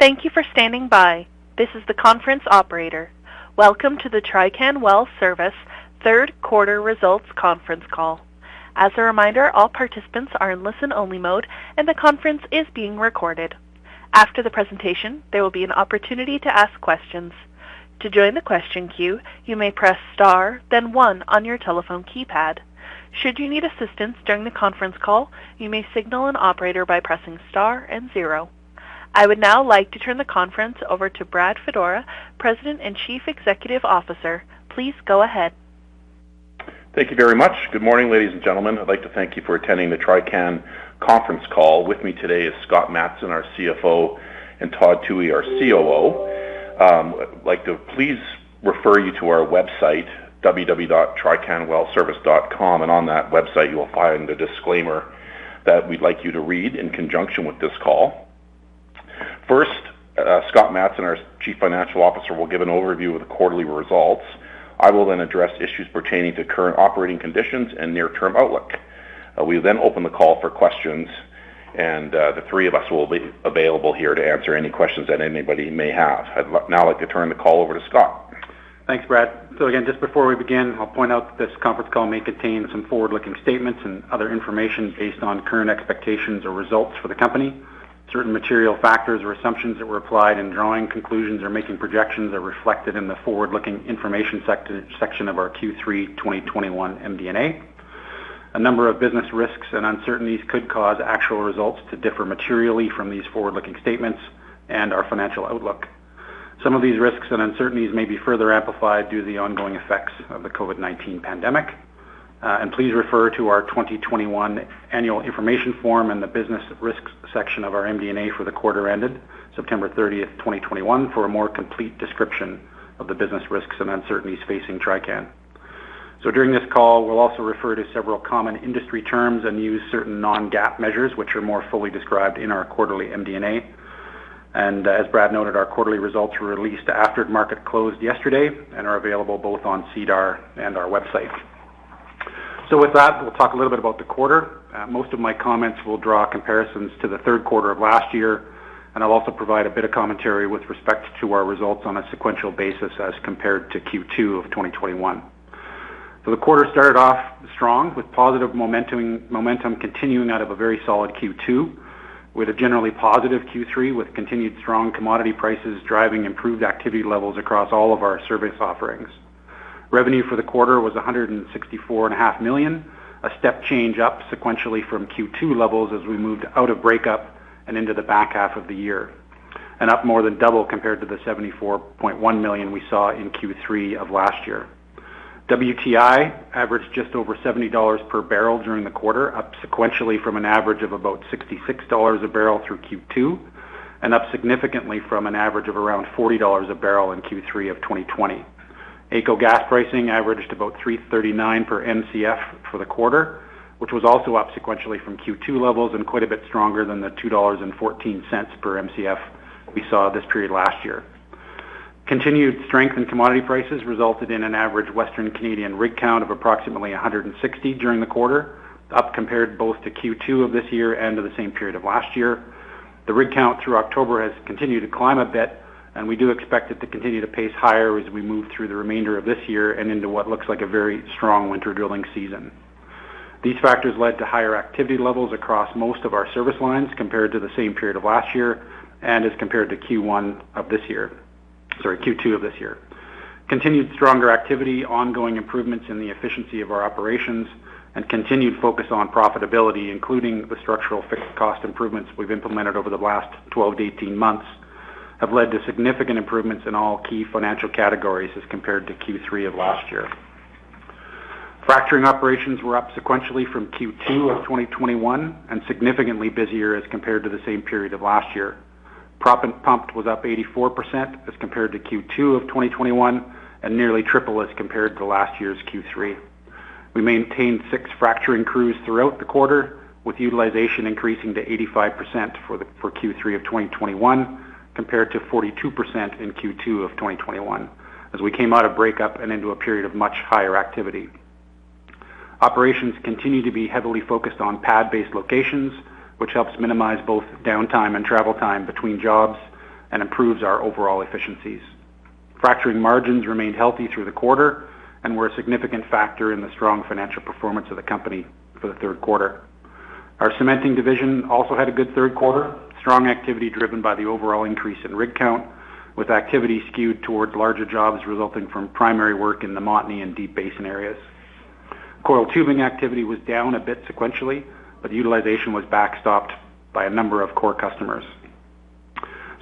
Thank you for standing by. This is the conference operator. Welcome to the Trican Well Service third quarter results conference call. As a reminder, all participants are in listen-only mode and the conference is being recorded. After the presentation, there will be an opportunity to ask questions. To join the question queue, you may press star, then one on your telephone keypad. Should you need assistance during the conference call, you may signal an operator by pressing star and zero. I would now like to turn the conference over to Brad Fedora, President and Chief Executive Officer. Please go ahead. Thank you very much. Good morning, ladies and gentlemen. I'd like to thank you for attending the Trican conference call. With me today is Scott Matson, our CFO; and Todd Thue, our COO. I'd like to please refer you to our website, www.tricanwellservice.com. On that website, you will find the disclaimer that we'd like you to read in conjunction with this call. First, Scott Matson, our Chief Financial Officer, will give an overview of the quarterly results. I will then address issues pertaining to current operating conditions and near-term outlook. We'll then open the call for questions, and the three of us will be available here to answer any questions that anybody may have. I'd now like to turn the call over to Scott. Thanks, Brad. Again, just before we begin, I'll point out this conference call may contain some forward-looking statements and other information based on current expectations or results for the company. Certain material factors or assumptions that were applied in drawing conclusions or making projections are reflected in the forward-looking information section of our Q3 2021 MD&A. A number of business risks and uncertainties could cause actual results to differ materially from these forward-looking statements and our financial outlook. Some of these risks and uncertainties may be further amplified due to the ongoing effects of the COVID-19 pandemic. Please refer to our 2021 annual information form and the business risks section of our MD&A for the quarter ended September 30, 2021 for a more complete description of the business risks and uncertainties facing Trican. During this call, we'll also refer to several common industry terms and use certain non-GAAP measures, which are more fully described in our quarterly MD&A. As Brad noted, our quarterly results were released after the market closed yesterday and are available both on SEDAR and our website. With that, we'll talk a little bit about the quarter. Most of my comments will draw comparisons to the third quarter of last year, and I'll also provide a bit of commentary with respect to our results on a sequential basis as compared to Q2 of 2021. The quarter started off strong with positive momentum continuing out of a very solid Q2, with a generally positive Q3, with continued strong commodity prices driving improved activity levels across all of our service offerings. Revenue for the quarter was CAD 164.5 million, a step change up sequentially from Q2 levels as we moved out of breakup and into the back half of the year, and up more than double compared to the 74.1 million we saw in Q3 of last year. WTI averaged just over $70 per barrel during the quarter, up sequentially from an average of about $66 a barrel through Q2, and up significantly from an average of around $40 a barrel in Q3 of 2020. AECO gas pricing averaged about 3.39 per Mcf for the quarter, which was also up sequentially from Q2 levels and quite a bit stronger than the 2.14 dollars per Mcf we saw this period last year. Continued strength in commodity prices resulted in an average Western Canadian rig count of approximately 160 during the quarter, up compared both to Q2 of this year and to the same period of last year. The rig count through October has continued to climb a bit, and we do expect it to continue to pace higher as we move through the remainder of this year and into what looks like a very strong winter drilling season. These factors led to higher activity levels across most of our service lines compared to the same period of last year, and as compared to Q2 of this year. Continued stronger activity, ongoing improvements in the efficiency of our operations, and continued focus on profitability, including the structural fixed cost improvements we've implemented over the last 12 to 18 months, have led to significant improvements in all key financial categories as compared to Q3 of last year. Fracturing operations were up sequentially from Q2 of 2021 and significantly busier as compared to the same period of last year. Proppant pumped was up 84% as compared to Q2 of 2021, and nearly triple as compared to last year's Q3. We maintained six fracturing crews throughout the quarter, with utilization increasing to 85% for Q3 of 2021, compared to 42% in Q2 of 2021, as we came out of breakup and into a period of much higher activity. Operations continue to be heavily focused on pad-based locations, which helps minimize both downtime and travel time between jobs and improves our overall efficiencies. Fracturing margins remained healthy through the quarter and were a significant factor in the strong financial performance of the company for the third quarter. Our cementing division also had a good third quarter, strong activity driven by the overall increase in rig count, with activity skewed towards larger jobs resulting from primary work in the Montney and Deep Basin areas. Coiled tubing activity was down a bit sequentially, but utilization was backstopped by a number of core customers.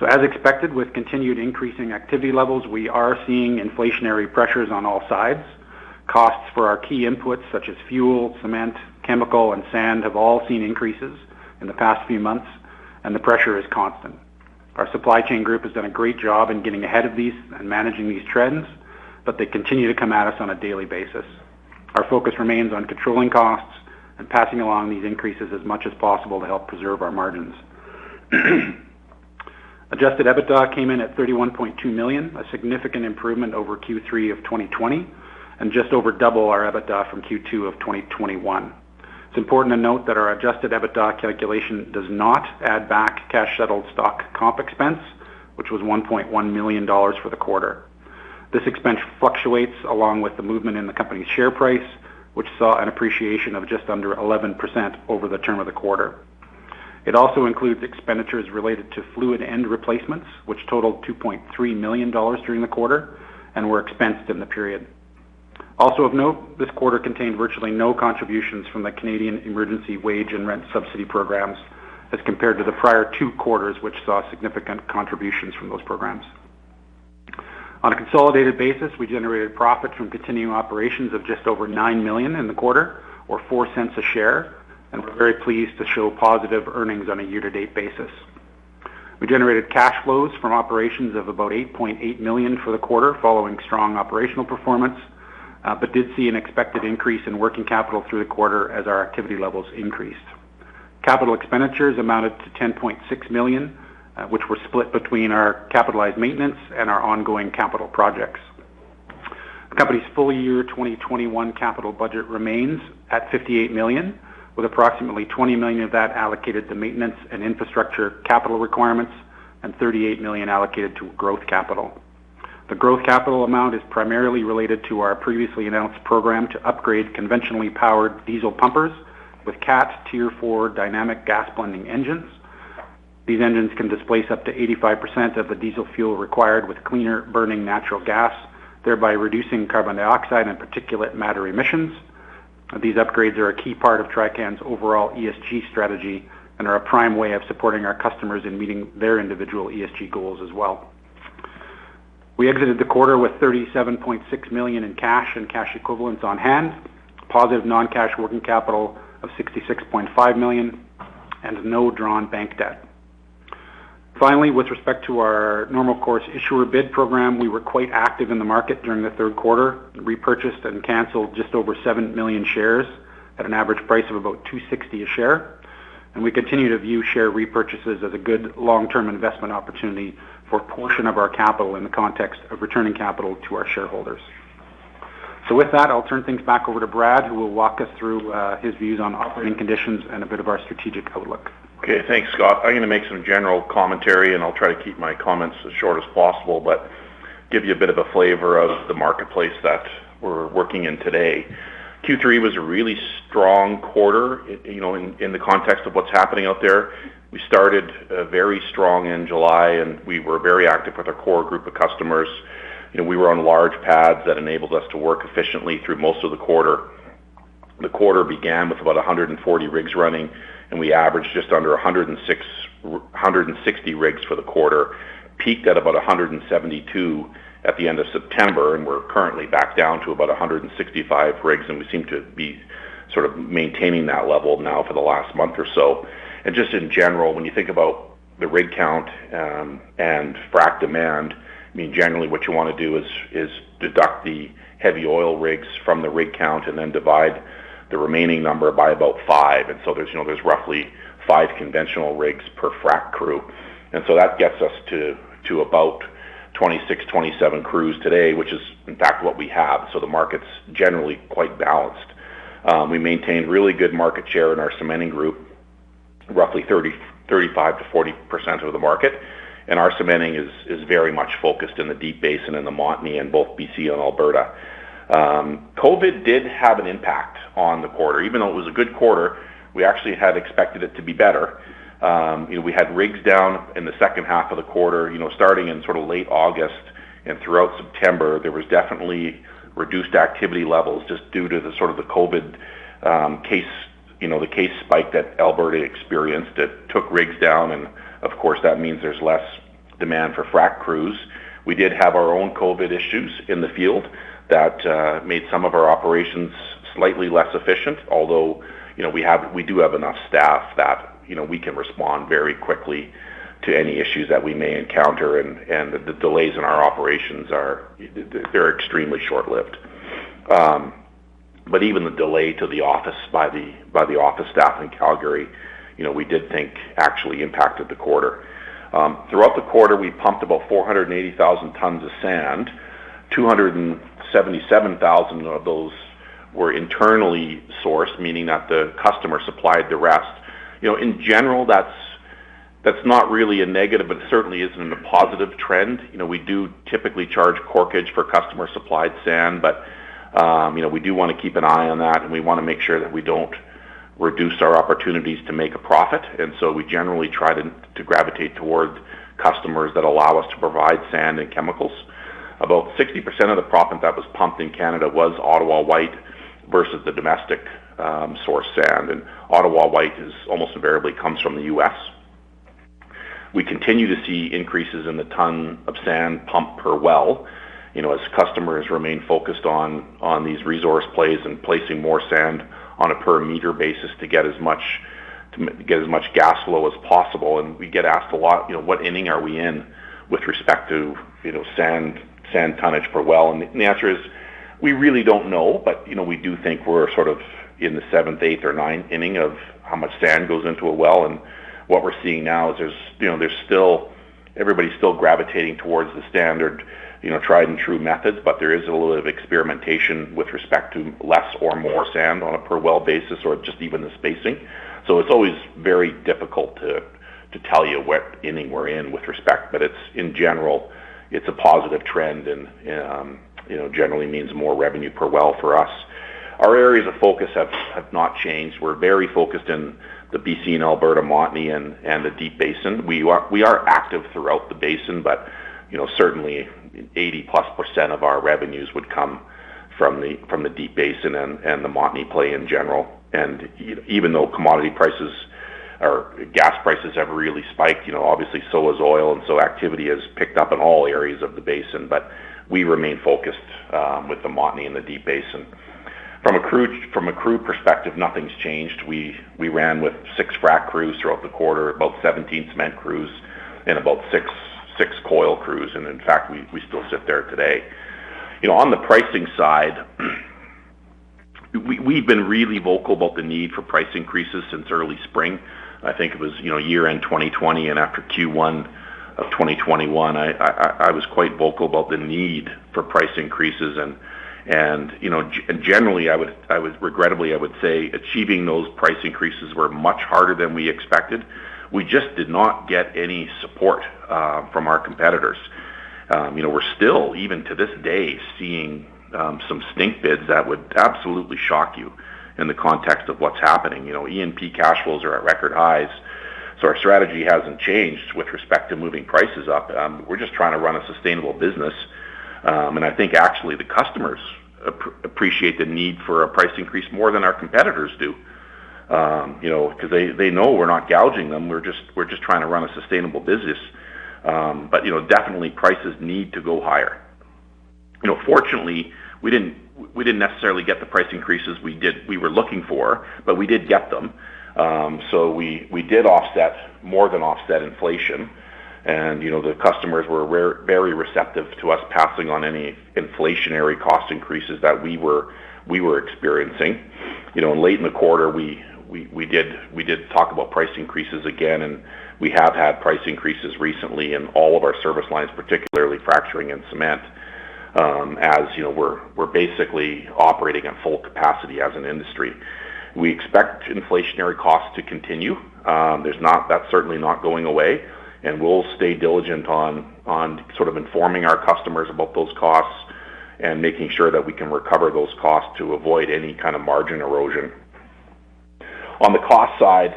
As expected, with continued increasing activity levels, we are seeing inflationary pressures on all sides. Costs for our key inputs such as fuel, cement, chemical, and sand have all seen increases in the past few months, and the pressure is constant. Our supply chain group has done a great job in getting ahead of these and managing these trends, but they continue to come at us on a daily basis. Our focus remains on controlling costs and passing along these increases as much as possible to help preserve our margins. Adjusted EBITDA came in at 31.2 million, a significant improvement over Q3 of 2020, and just over double our EBITDA from Q2 of 2021. It's important to note that our adjusted EBITDA calculation does not add back cash settled stock comp expense, which was 1.1 million dollars for the quarter. This expense fluctuates along with the movement in the company's share price, which saw an appreciation of just under 11% over the term of the quarter. It also includes expenditures related to fluid end replacements, which totaled 2.3 million dollars during the quarter and were expensed in the period. Also of note, this quarter contained virtually no contributions from the Canada Emergency Wage and Rent Subsidy programs as compared to the prior two quarters, which saw significant contributions from those programs. On a consolidated basis, we generated profit from continuing operations of just over 9 million in the quarter or 0.04 a share, and we're very pleased to show positive earnings on a year-to-date basis. We generated cash flows from operations of about 8.8 million for the quarter following strong operational performance, but did see an expected increase in working capital through the quarter as our activity levels increased. Capital expenditures amounted to 10.6 million, which were split between our capitalized maintenance and our ongoing capital projects. The company's full year 2021 capital budget remains at 58 million, with approximately 20 million of that allocated to maintenance and infrastructure capital requirements and 38 million allocated to growth capital. The growth capital amount is primarily related to our previously announced program to upgrade conventionally powered diesel pumpers with Cat Tier 4 dynamic gas blending engines. These engines can displace up to 85% of the diesel fuel required with cleaner-burning natural gas, thereby reducing carbon dioxide and particulate matter emissions. These upgrades are a key part of Trican's overall ESG strategy and are a prime way of supporting our customers in meeting their individual ESG goals as well. We exited the quarter with 37.6 million in cash and cash equivalents on hand, positive non-cash working capital of 66.5 million, and no drawn bank debt. Finally, with respect to our normal course issuer bid program, we were quite active in the market during the third quarter, repurchased and canceled just over seven million shares at an average price of about 2.60 a share. We continue to view share repurchases as a good long-term investment opportunity for a portion of our capital in the context of returning capital to our shareholders. With that, I'll turn things back over to Brad, who will walk us through his views on operating conditions and a bit of our strategic outlook. Okay, thanks, Scott. I'm gonna make some general commentary, and I'll try to keep my comments as short as possible, but give you a bit of a flavor of the marketplace that we're working in today. Q3 was a really strong quarter, you know, in the context of what's happening out there. We started very strong in July, and we were very active with our core group of customers. You know, we were on large pads that enabled us to work efficiently through most of the quarter. The quarter began with about 140 rigs running, and we averaged just under 160 rigs for the quarter, peaked at about 172 at the end of September, and we're currently back down to about 165 rigs, and we seem to be sort of maintaining that level now for the last month or so. Just in general, when you think about the rig count and frack demand, I mean, generally what you wanna do is deduct the heavy oil rigs from the rig count and then divide the remaining number by about five. There's, you know, roughly five conventional rigs per frack crew. That gets us to about 26, 27 crews today, which is in fact what we have. The market's generally quite balanced. We maintain really good market share in our cementing group, roughly 30%,35% to 40% of the market. Our cementing is very much focused in the Deep Basin and the Montney in both BC and Alberta. COVID did have an impact on the quarter. Even though it was a good quarter, we actually had expected it to be better. You know, we had rigs down in the second half of the quarter. You know, starting in sort of late August and throughout September, there was definitely reduced activity levels just due to the sort of the COVID case, you know, the case spike that Alberta experienced that took rigs down, and of course, that means there's less demand for frac crews. We did have our own COVID issues in the field that made some of our operations slightly less efficient, although you know, we do have enough staff that you know, we can respond very quickly to any issues that we may encounter, and the delays in our operations are extremely short-lived. Even the delay to the office by the office staff in Calgary, you know, we did think actually impacted the quarter. Throughout the quarter, we pumped about 400,000 tons of sand. 277,000 of those were internally sourced, meaning that the customer supplied the rest. You know, in general, that's not really a negative, but it certainly isn't a positive trend. You know, we do typically charge corkage for customer-supplied sand, but you know, we do wanna keep an eye on that, and we wanna make sure that we don't reduce our opportunities to make a profit. We generally try to gravitate toward customers that allow us to provide sand and chemicals. About 60% of the proppant that was pumped in Canada was Ottawa White versus the domestic source sand. Ottawa White almost invariably comes from the U.S. We continue to see increases in the ton of sand pumped per well, you know, as customers remain focused on these resource plays and placing more sand on a per meter basis to get as much gas flow as possible. We get asked a lot, you know, what inning are we in with respect to, you know, sand tonnage per well? The answer is, we really don't know, but, you know, we do think we're sort of in the seventh, eighth, or ninth inning of how much sand goes into a well. What we're seeing now is there's, you know, still everybody's still gravitating towards the standard, you know, tried and true methods, but there is a little bit of experimentation with respect to less or more sand on a per well basis, or just even the spacing. It's always very difficult to tell you what inning we're in with respect, but in general, it's a positive trend and, you know, generally means more revenue per well for us. Our areas of focus have not changed. We're very focused in the B.C. and Alberta Montney and the Deep Basin. We are active throughout the basin, but you know, certainly 80%+ of our revenues would come from the Deep Basin and the Montney play in general. Even though commodity prices or gas prices have really spiked, you know, obviously, so has oil, and so activity has picked up in all areas of the basin. We remain focused with the Montney and the Deep Basin. From a crew perspective, nothing's changed. We ran with six frac crews throughout the quarter, about 17 cement crews and about six coil crews and in fact, we still sit there today. On the pricing side, we've been really vocal about the need for price increases since early spring. I think it was year-end 2020 and after Q1 of 2021, I was quite vocal about the need for price increases. Generally, I would regrettably say achieving those price increases were much harder than we expected. We just did not get any support from our competitors. We're still, even to this day, seeing some stink bids that would absolutely shock you in the context of what's happening. E&P cash flows are at record highs, so our strategy hasn't changed with respect to moving prices up. We're just trying to run a sustainable business. I think actually the customers appreciate the need for a price increase more than our competitors do, 'cause they know we're not gouging them. We're just trying to run a sustainable business. You know, definitely prices need to go higher. You know, fortunately, we didn't necessarily get the price increases we were looking for, but we did get them. We did offset more than inflation. You know, the customers were very receptive to us passing on any inflationary cost increases that we were experiencing. You know, late in the quarter, we did talk about price increases again, and we have had price increases recently in all of our service lines, particularly fracturing and cement. As you know, we're basically operating at full capacity as an industry. We expect inflationary costs to continue. That's certainly not going away, and we'll stay diligent on sort of informing our customers about those costs and making sure that we can recover those costs to avoid any kind of margin erosion. On the cost side,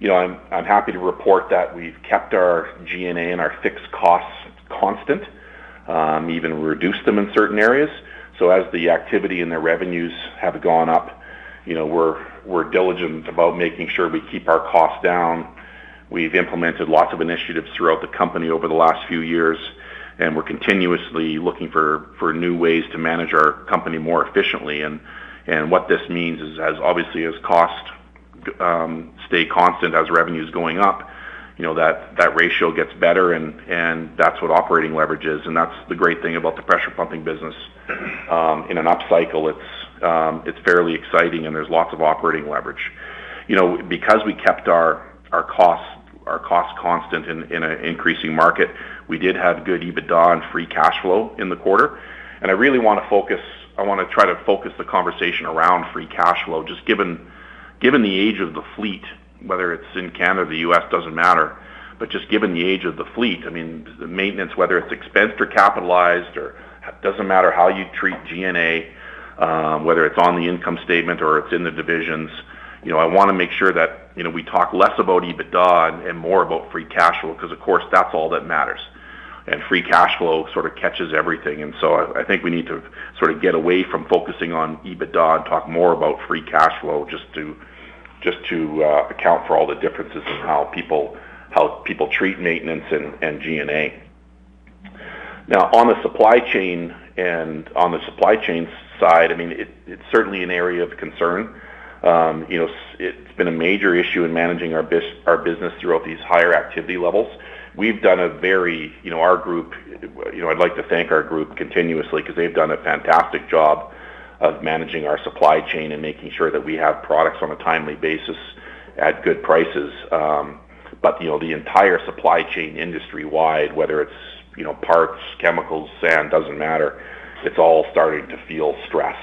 you know, I'm happy to report that we've kept our G&A and our fixed costs constant, even reduced them in certain areas. As the activity and the revenues have gone up, you know, we're diligent about making sure we keep our costs down. We've implemented lots of initiatives throughout the company over the last few years, and we're continuously looking for new ways to manage our company more efficiently. What this means is, as obviously as costs stay constant, as revenue is going up, you know, that ratio gets better and that's what operating leverage is, and that's the great thing about the pressure pumping business. In an upcycle, it's fairly exciting and there's lots of operating leverage. You know, because we kept our costs constant in an increasing market, we did have good EBITDA and free cash flow in the quarter. I wanna try to focus the conversation around free cash flow, just given the age of the fleet, whether it's in Canada, the U.S., doesn't matter. Just given the age of the fleet, I mean, the maintenance, whether it's expensed or capitalized or doesn't matter how you treat G&A, whether it's on the income statement or it's in the divisions. You know, I wanna make sure that, you know, we talk less about EBITDA and more about free cash flow, because of course, that's all that matters. Free cash flow sort of catches everything. I think we need to sort of get away from focusing on EBITDA and talk more about free cash flow just to account for all the differences in how people treat maintenance and G&A. Now on the supply chain and on the supply chain side, I mean, it's certainly an area of concern. You know, it's been a major issue in managing our business throughout these higher activity levels. We've done a very, you know, our group, you know, I'd like to thank our group continuously because they've done a fantastic job of managing our supply chain and making sure that we have products on a timely basis at good prices. You know, the entire supply chain industry-wide, whether it's, you know, parts, chemicals, sand, doesn't matter, it's all starting to feel stress.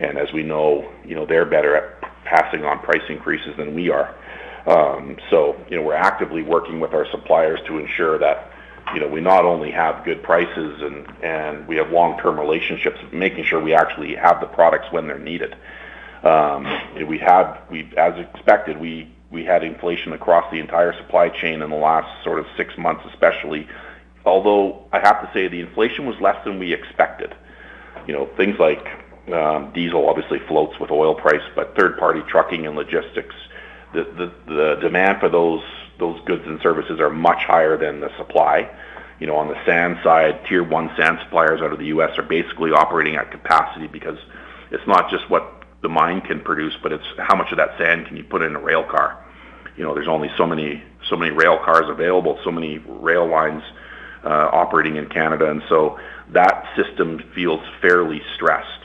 As we know, you know, they're better at passing on price increases than we are. You know, we're actively working with our suppliers to ensure that, you know, we not only have good prices and we have long-term relationships, making sure we actually have the products when they're needed. As expected, we had inflation across the entire supply chain in the last sort of six months, especially. Although, I have to say the inflation was less than we expected. You know, things like diesel obviously floats with oil price, but third-party trucking and logistics, the demand for those goods and services are much higher than the supply. You know, on the sand side, tier one sand suppliers out of the U.S. are basically operating at capacity because it's not just what the mine can produce, but it's how much of that sand can you put in a rail car. You know, there's only so many rail cars available, so many rail lines operating in Canada. That system feels fairly stressed.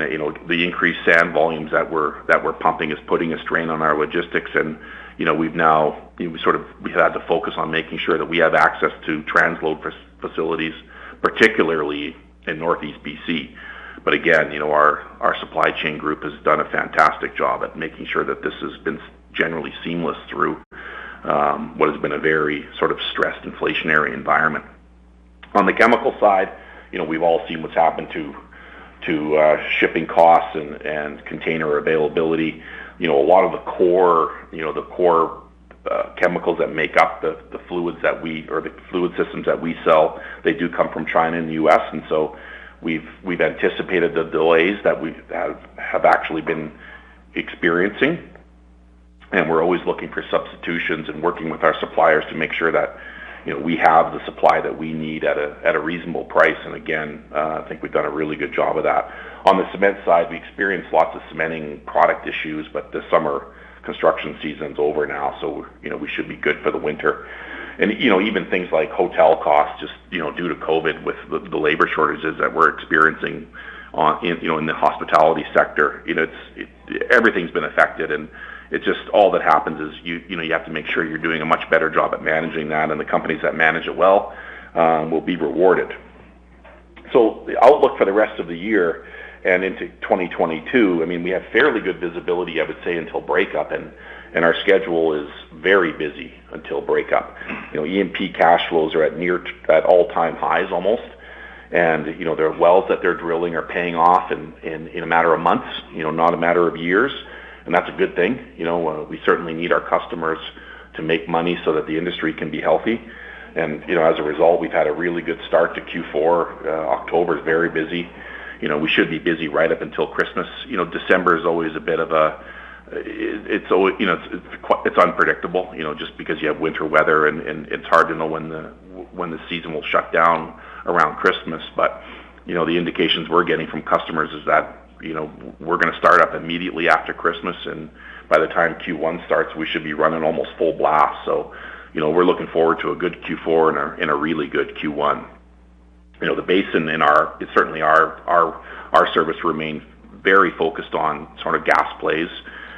You know, the increased sand volumes that we're pumping is putting a strain on our logistics. You know, we've now had to focus on making sure that we have access to transload facilities, particularly in Northeast B.C. Again, you know, our supply chain group has done a fantastic job at making sure that this has been generally seamless through what has been a very sort of stressed inflationary environment. On the chemical side, you know, we've all seen what's happened to shipping costs and container availability. You know, a lot of the core chemicals that make up the fluids or the fluid systems that we sell, they do come from China and U.S. We've anticipated the delays that we have actually been experiencing. We're always looking for substitutions and working with our suppliers to make sure that, you know, we have the supply that we need at a reasonable price. I think we've done a really good job of that. On the cement side, we experienced lots of cementing product issues, but the summer construction season's over now, so, you know, we should be good for the winter. You know, even things like hotel costs just, you know, due to COVID with the labor shortages that we're experiencing in, you know, in the hospitality sector. You know, Everything's been affected, and it just all that happens is you know, you have to make sure you're doing a much better job at managing that, and the companies that manage it well, will be rewarded. The outlook for the rest of the year and into 2022, I mean, we have fairly good visibility, I would say, until breakup. Our schedule is very busy until breakup. You know, E&P cash flows are at all-time highs almost. You know, their wells that they're drilling are paying off in a matter of months, you know, not a matter of years. That's a good thing. You know, we certainly need our customers to make money so that the industry can be healthy. You know, as a result, we've had a really good start to Q4. October is very busy. You know, we should be busy right up until Christmas. You know, December is always a bit of a. You know, it's unpredictable, you know, just because you have winter weather and it's hard to know when the season will shut down around Christmas. You know, the indications we're getting from customers is that, you know, we're gonna start up immediately after Christmas, and by the time Q1 starts, we should be running almost full blast. You know, we're looking forward to a good Q4 and a really good Q1. You know, the basin in our service remains very focused on sort of gas plays.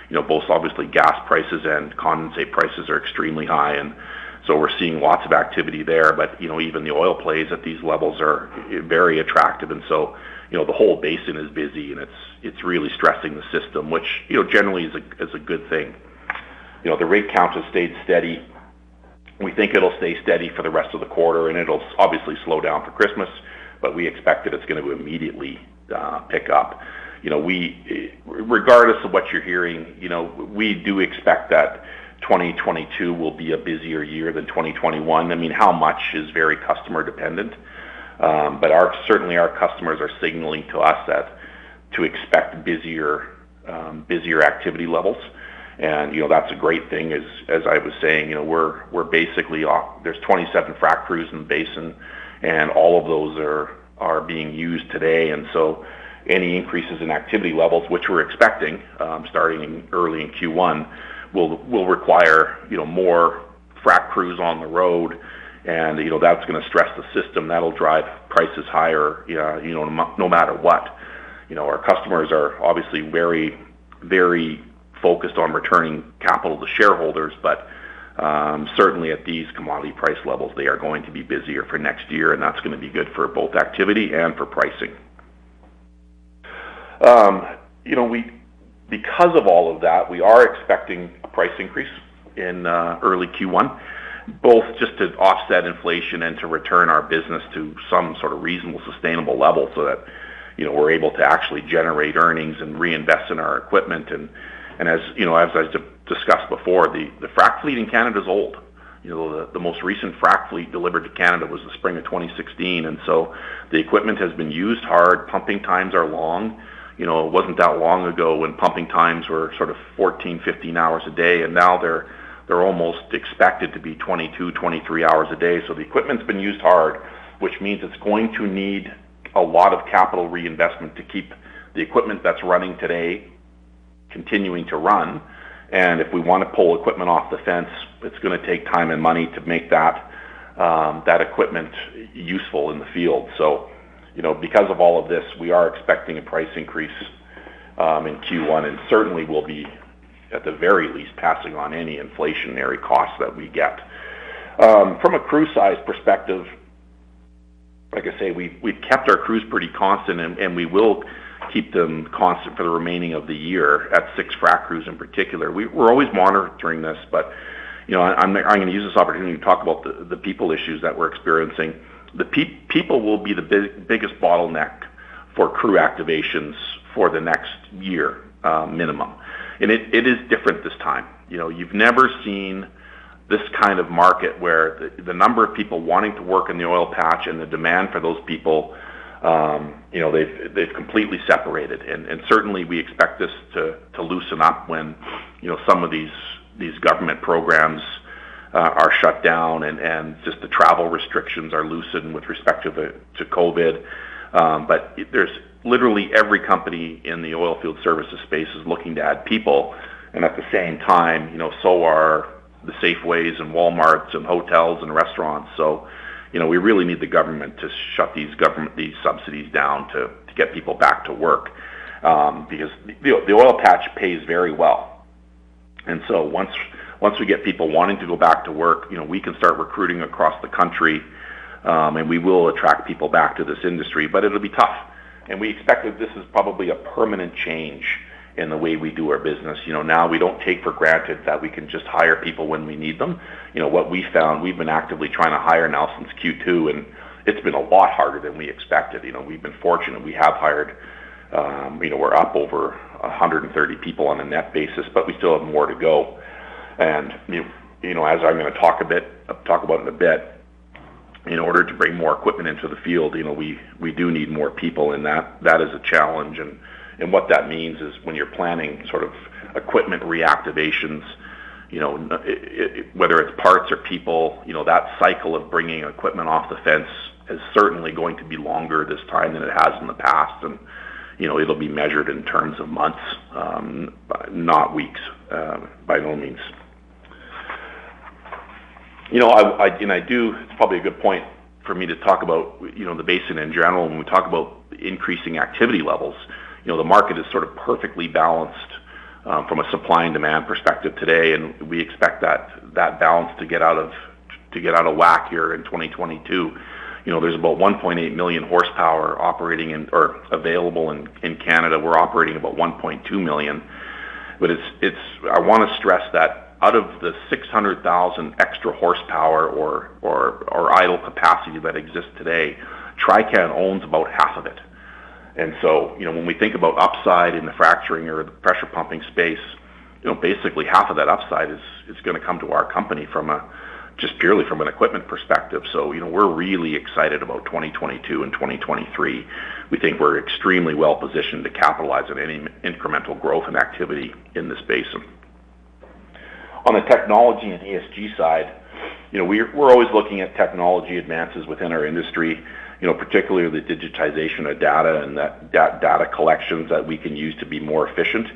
You know, both obviously gas prices and condensate prices are extremely high, and so we're seeing lots of activity there. You know, even the oil plays at these levels are very attractive. You know, the whole basin is busy, and it's really stressing the system, which, you know, generally is a good thing. You know, the rig count has stayed steady. We think it'll stay steady for the rest of the quarter, and it'll obviously slow down for Christmas, but we expect that it's gonna immediately pick up. You know, regardless of what you're hearing, you know, we do expect that 2022 will be a busier year than 2021. I mean, how much is very customer dependent. Certainly our customers are signaling to us to expect busier activity levels. You know, that's a great thing. I was saying, you know, we're basically off. There's 27 frac crews in the basin, and all of those are being used today. Any increases in activity levels, which we're expecting, starting in early Q1, will require, you know, more frac crews on the road. You know, that's gonna stress the system. That'll drive prices higher, you know, no matter what. You know, our customers are obviously very, very focused on returning capital to shareholders, but certainly at these commodity price levels, they are going to be busier for next year, and that's gonna be good for both activity and for pricing. You know, because of all of that, we are expecting a price increase in early Q1, both just to offset inflation and to return our business to some sort of reasonable, sustainable level so that, you know, we're able to actually generate earnings and reinvest in our equipment. As you know, as I've discussed before, the frac fleet in Canada is old. You know, the most recent frac fleet delivered to Canada was the spring of 2016, and so the equipment has been used hard. Pumping times are long. You know, it wasn't that long ago when pumping times were sort of 14, 15 hours a day, and now they're almost expected to be 22, 23 hours a day. The equipment's been used hard, which means it's going to need a lot of capital reinvestment to keep the equipment that's running today continuing to run. If we wanna pull equipment off the fence, it's gonna take time and money to make that equipment useful in the field. Because of all of this, we are expecting a price increase in Q1, and certainly we'll be, at the very least, passing on any inflationary costs that we get. From a crew size perspective, like I say, we've kept our crews pretty constant, and we will keep them constant for the remaining of the year at six frac crews in particular. We're always monitoring this, but, you know, I'm gonna use this opportunity to talk about the people issues that we're experiencing. The people will be the biggest bottleneck for crew activations for the next year, minimum. It is different this time. You know, you've never seen this kind of market where the number of people wanting to work in the oil patch and the demand for those people, you know, they've completely separated. Certainly we expect this to loosen up when, you know, some of these government programs are shut down and just the travel restrictions are loosened with respect to COVID. But there's literally every company in the oil field services space is looking to add people. At the same time, you know, so are the Safeways and Walmarts and hotels and restaurants. You know, we really need the government to shut these subsidies down to get people back to work because the oil patch pays very well. Once we get people wanting to go back to work, you know, we can start recruiting across the country and we will attract people back to this industry, but it'll be tough. We expect that this is probably a permanent change in the way we do our business. You know, now we don't take for granted that we can just hire people when we need them. You know, what we found, we've been actively trying to hire now since Q2, and it's been a lot harder than we expected. You know, we've been fortunate. We have hired. You know, we're up over 130 people on a net basis, but we still have more to go. You know, as I'm gonna talk about in a bit, in order to bring more equipment into the field, you know, we do need more people, and that is a challenge. What that means is when you're planning sort of equipment reactivations, you know, it. Whether it's parts or people, you know, that cycle of bringing equipment off the fence is certainly going to be longer this time than it has in the past. You know, it'll be measured in terms of months, but not weeks, by all means. It's probably a good point for me to talk about, you know, the basin in general when we talk about increasing activity levels. You know, the market is sort of perfectly balanced from a supply and demand perspective today, and we expect that balance to get out of whack here in 2022. You know, there's about 1.8 million horsepower operating in or available in Canada. We're operating about 1.2 million. It's I wanna stress that out of the 600,000 extra horsepower or idle capacity that exists today, Trican owns about half of it. You know, when we think about upside in the fracturing or the pressure pumping space, you know, basically half of that upside is gonna come to our company from just purely from an equipment perspective. You know, we're really excited about 2022 and 2023. We think we're extremely well-positioned to capitalize on any incremental growth and activity in this basin. On the technology and ESG side, you know, we're always looking at technology advances within our industry, you know, particularly the digitization of data and that data collections that we can use to be more efficient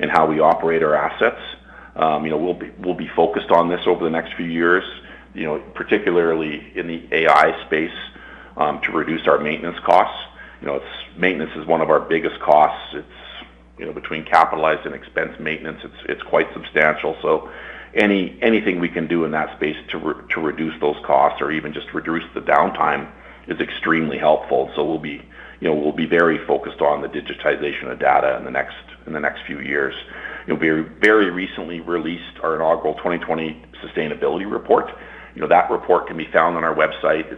in how we operate our assets. You know, we'll be focused on this over the next few years, you know, particularly in the AI space, to reduce our maintenance costs. You know, maintenance is one of our biggest costs. It's, you know, between capitalized and expensed maintenance, it's quite substantial. So anything we can do in that space to reduce those costs or even just reduce the downtime is extremely helpful. We'll be very focused on the digitization of data in the next few years. You know, we very recently released our inaugural 2020 sustainability report. You know, that report can be found on our website.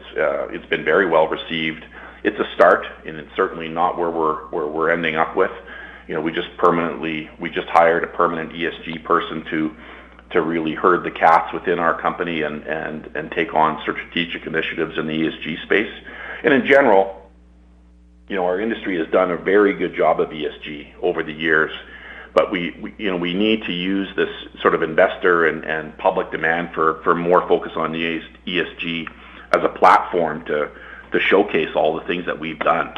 It's been very well-received. It's a start, and it's certainly not where we're ending up with. You know, we just hired a permanent ESG person to really herd the cats within our company and take on strategic initiatives in the ESG space. In general, you know, our industry has done a very good job of ESG over the years. We, you know, we need to use this sort of investor and public demand for more focus on the ESG as a platform to showcase all the things that we've done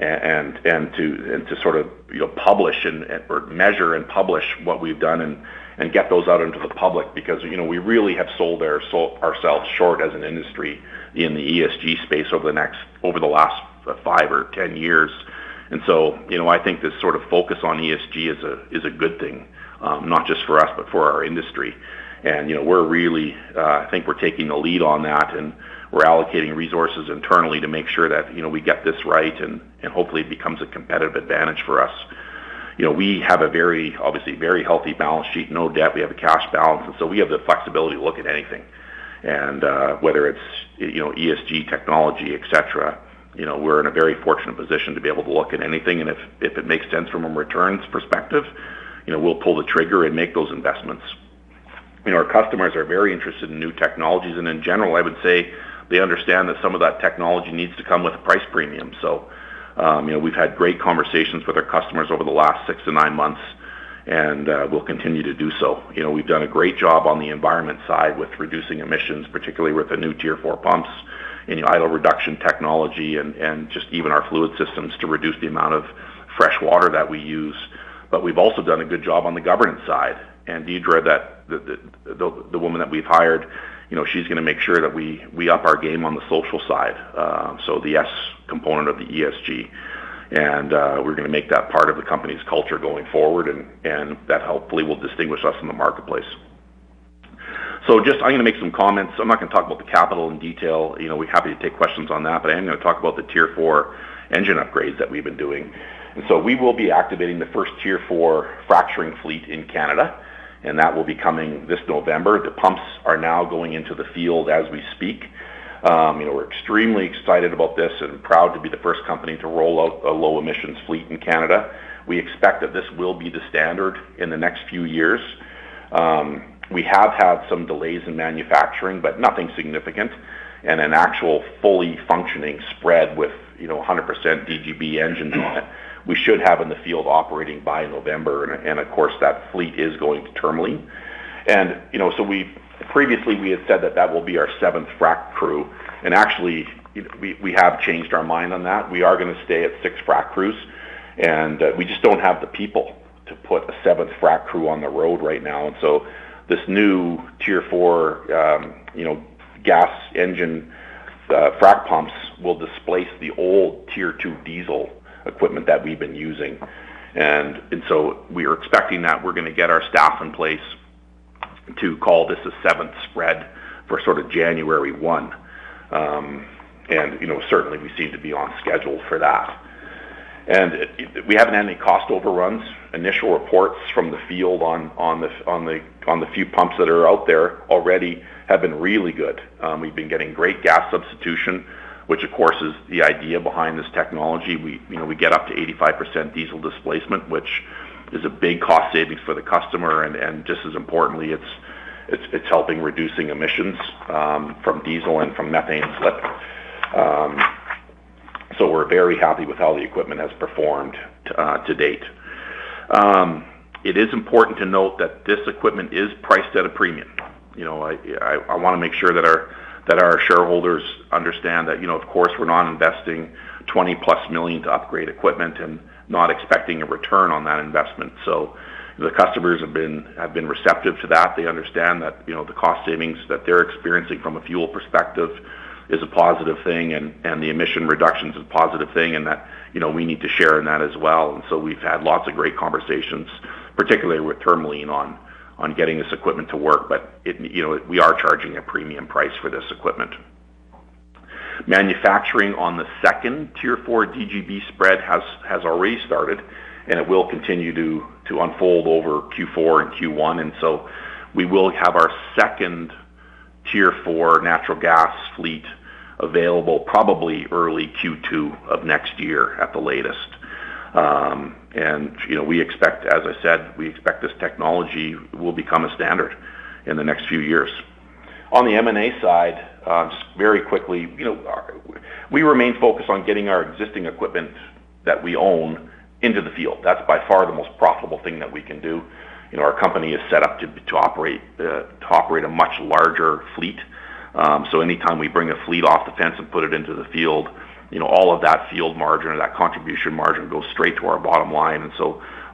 and to sort of, you know, publish and/or measure and publish what we've done and get those out into the public because, you know, we really have sold ourselves short as an industry in the ESG space over the last five or 10 years. You know, I think this sort of focus on ESG is a good thing, not just for us, but for our industry. You know, we're really. I think we're taking the lead on that, and we're allocating resources internally to make sure that, you know, we get this right and hopefully it becomes a competitive advantage for us. You know, we have a very, obviously very healthy balance sheet, no debt. We have a cash balance, and so we have the flexibility to look at anything. Whether it's, you know, ESG, technology, et cetera, you know, we're in a very fortunate position to be able to look at anything. If it makes sense from a returns perspective, you know, we'll pull the trigger and make those investments. You know, our customers are very interested in new technologies. In general, I would say they understand that some of that technology needs to come with a price premium. So, you know, we've had great conversations with our customers over the last six to nine months, and we'll continue to do so. You know, we've done a great job on the environment side with reducing emissions, particularly with the new Tier 4 pumps, you know, idle reduction technology and just even our fluid systems to reduce the amount of fresh water that we use. But we've also done a good job on the governance side. Deidre, the woman that we've hired, you know, she's gonna make sure that we up our game on the social side, so the S component of the ESG. We're gonna make that part of the company's culture going forward and that hopefully will distinguish us in the marketplace. Just I'm gonna make some comments. I'm not gonna talk about the CapEx in detail. You know, we're happy to take questions on that, but I am gonna talk about the Tier 4 engine upgrades that we've been doing. We will be activating the first Tier 4 fracturing fleet in Canada, and that will be coming this November. The pumps are now going into the field as we speak. You know, we're extremely excited about this and proud to be the first company to roll out a low emissions fleet in Canada. We expect that this will be the standard in the next few years. We have had some delays in manufacturing, but nothing significant. An actual fully functioning spread with, you know, 100% DGB engines on it, we should have in the field operating by November. Of course, that fleet is going termly. We've previously said that that will be our seventh frac crew. Actually, we have changed our mind on that. We are gonna stay at six frac crews. We just don't have the people to put a seventh frac crew on the road right now. This new Tier 4 gas engine frac pumps will displace the old Tier 2 diesel equipment that we've been using. We are expecting that we're gonna get our staff in place to call this a seventh spread for sort of January 1. You know, certainly we seem to be on schedule for that. We haven't had any cost overruns. Initial reports from the field on the few pumps that are out there already have been really good. We've been getting great gas substitution, which of course, is the idea behind this technology. You know, we get up to 85% diesel displacement, which is a big cost savings for the customer. Just as importantly, it's helping reducing emissions from diesel and from methane slip. We're very happy with how the equipment has performed to date. It is important to note that this equipment is priced at a premium. You know, I wanna make sure that our shareholders understand that, you know, of course, we're not investing 20+ million to upgrade equipment and not expecting a return on that investment. The customers have been receptive to that. They understand that, you know, the cost savings that they're experiencing from a fuel perspective is a positive thing and the emission reduction is a positive thing, and that, you know, we need to share in that as well. We've had lots of great conversations, particularly with Tourmaline on getting this equipment to work. But you know, we are charging a premium price for this equipment. Manufacturing on the second Tier 4 DGB spread has already started, and it will continue to unfold over Q4 and Q1. We will have our second Tier 4 natural gas fleet available probably early Q2 of next year at the latest. You know, we expect, as I said, this technology will become a standard in the next few years. On the M&A side, just very quickly, you know, we remain focused on getting our existing equipment that we own into the field. That's by far the most profitable thing that we can do. You know, our company is set up to operate a much larger fleet. Anytime we bring a fleet off the fence and put it into the field, you know, all of that field margin or that contribution margin goes straight to our bottom line.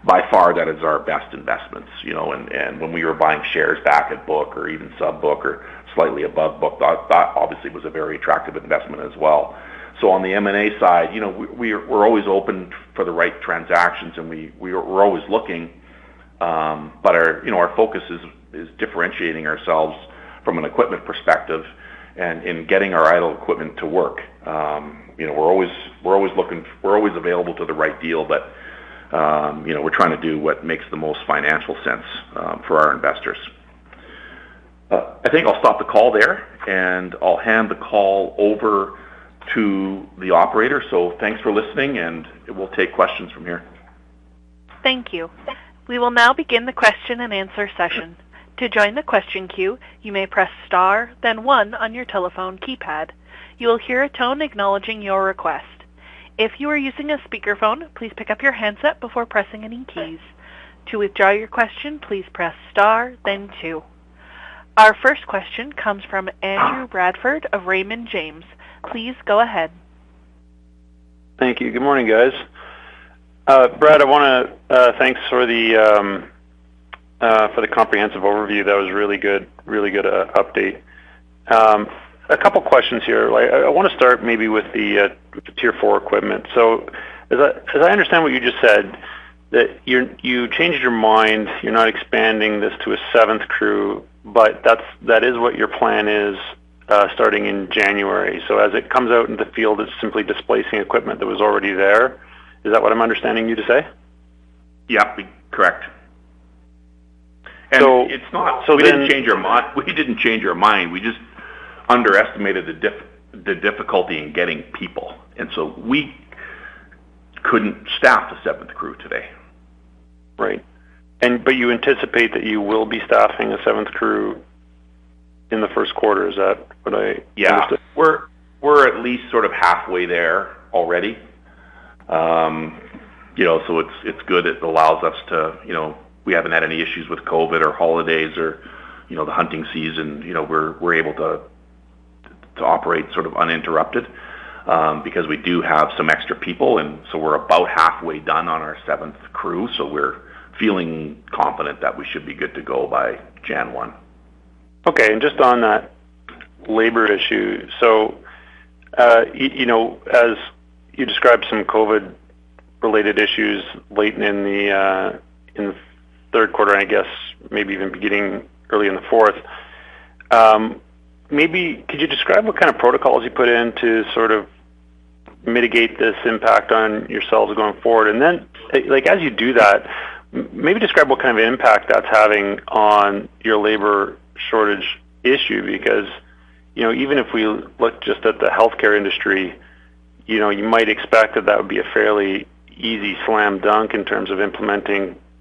By far, that is our best investments, you know. When we were buying shares back at book or even sub book or slightly above book, that obviously was a very attractive investment as well. On the M&A side, you know, we're always open for the right transactions, and we're always looking. Our focus is differentiating ourselves from an equipment perspective and in getting our idle equipment to work. You know, we're always available to the right deal, but you know, we're trying to do what makes the most financial sense for our investors. I think I'll stop the call there, and I'll hand the call over to the operator. Thanks for listening, and we'll take questions from here. Thank you. We will now begin the question and answer session. To join the question queue, you may press star then one on your telephone keypad. You will hear a tone acknowledging your request. If you are using a speakerphone, please pick up your handset before pressing any keys. To withdraw your question, please press star then two. Our first question comes from Andrew Bradford of Raymond James. Please go ahead. Thank you. Good morning, guys. Brad, I want to thank you for the comprehensive overview. That was really good update. A couple questions here. I want to start maybe with the Tier 4 equipment. As I understand what you just said, that you changed your mind, you're not expanding this to a seventh crew, but that is what your plan is, starting in January. As it comes out in the field, it's simply displacing equipment that was already there. Is that what I'm understanding you to say? Yeah, correct. So- It's not. So then- We didn't change our mind. We just underestimated the difficulty in getting people, and so we couldn't staff the seventh crew today. Right. You anticipate that you will be staffing a seventh crew in the first quarter. Is that what I understood? Yeah. We're at least sort of halfway there already. You know, it's good. It allows us to, you know. We haven't had any issues with COVID or holidays or, you know, the hunting season. You know, we're able to operate sort of uninterrupted, because we do have some extra people, and so we're about halfway done on our seventh crew. We're feeling confident that we should be good to go by January 1. Okay, just on that labor issue. You know, as you described some COVID-related issues late in the third quarter, and I guess maybe even beginning early in the fourth, maybe could you describe what kind of protocols you put in to sort of mitigate this impact on yourselves going forward? Then, like, as you do that, maybe describe what kind of impact that's having on your labor shortage issue. Because, you know, even if we look just at the healthcare industry, you know, you might expect that that would be a fairly easy slam dunk in terms of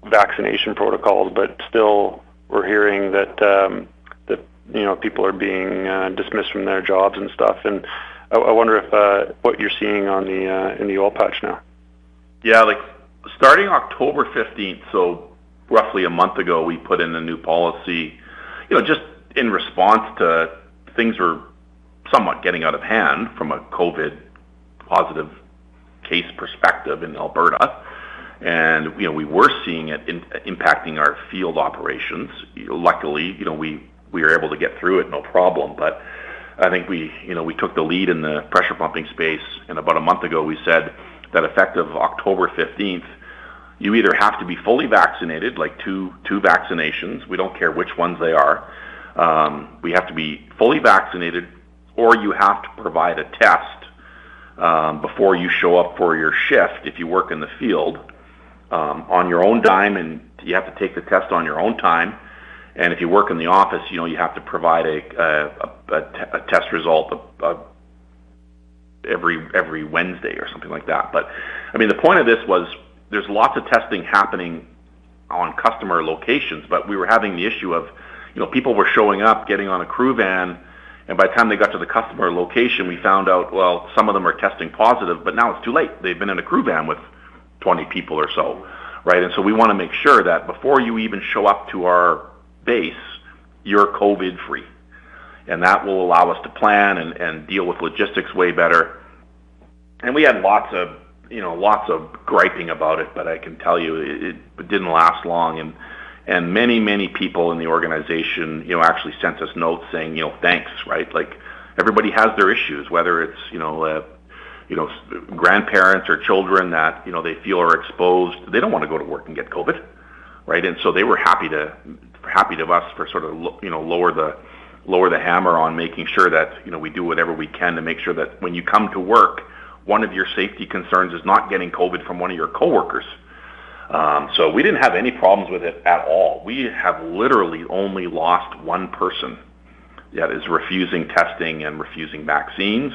implementing vaccination protocols. But still, we're hearing that, you know, people are being dismissed from their jobs and stuff. I wonder if what you're seeing in the oil patch now. Yeah, like, starting October 15th, so roughly a month ago, we put in a new policy, you know, just in response to things were somewhat getting out of hand from a COVID positive case perspective in Alberta. You know, we were seeing it impacting our field operations. Luckily, you know, we were able to get through it, no problem. I think we, you know, we took the lead in the pressure pumping space, and about a month ago, we said that effective October 15th, you either have to be fully vaccinated, like two vaccinations, we don't care which ones they are, we have to be fully vaccinated, or you have to provide a test before you show up for your shift if you work in the field, on your own dime, and you have to take the test on your own time. If you work in the office, you know, you have to provide a test result of every Wednesday or something like that. I mean, the point of this was there's lots of testing happening on customer locations, but we were having the issue of, you know, people were showing up, getting on a crew van, and by the time they got to the customer location, we found out, well, some of them are testing positive, but now it's too late. They've been in a crew van with 20 people or so, right? We wanna make sure that before you even show up to our base, you're COVID free. That will allow us to plan and deal with logistics way better. We had lots of, you know, lots of griping about it, but I can tell you it didn't last long. Many people in the organization, you know, actually sent us notes saying, you know, "Thanks," right? Like, everybody has their issues, whether it's, you know, grandparents or children that, you know, they feel are exposed. They don't wanna go to work and get COVID, right? They were happy with us for sort of you know, lower the hammer on making sure that, you know, we do whatever we can to make sure that when you come to work, one of your safety concerns is not getting COVID from one of your coworkers. We didn't have any problems with it at all. We have literally only lost one person that is refusing testing and refusing vaccines.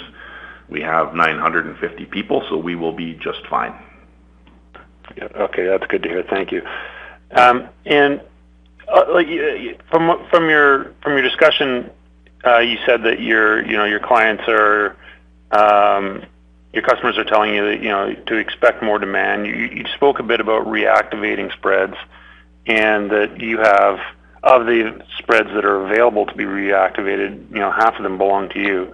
We have 950 people, so we will be just fine. Yeah. Okay. That's good to hear. Thank you. From your discussion, you said that your clients, your customers are telling you that, you know, to expect more demand. You spoke a bit about reactivating spreads and of the spreads that are available to be reactivated, you know, half of them belong to you,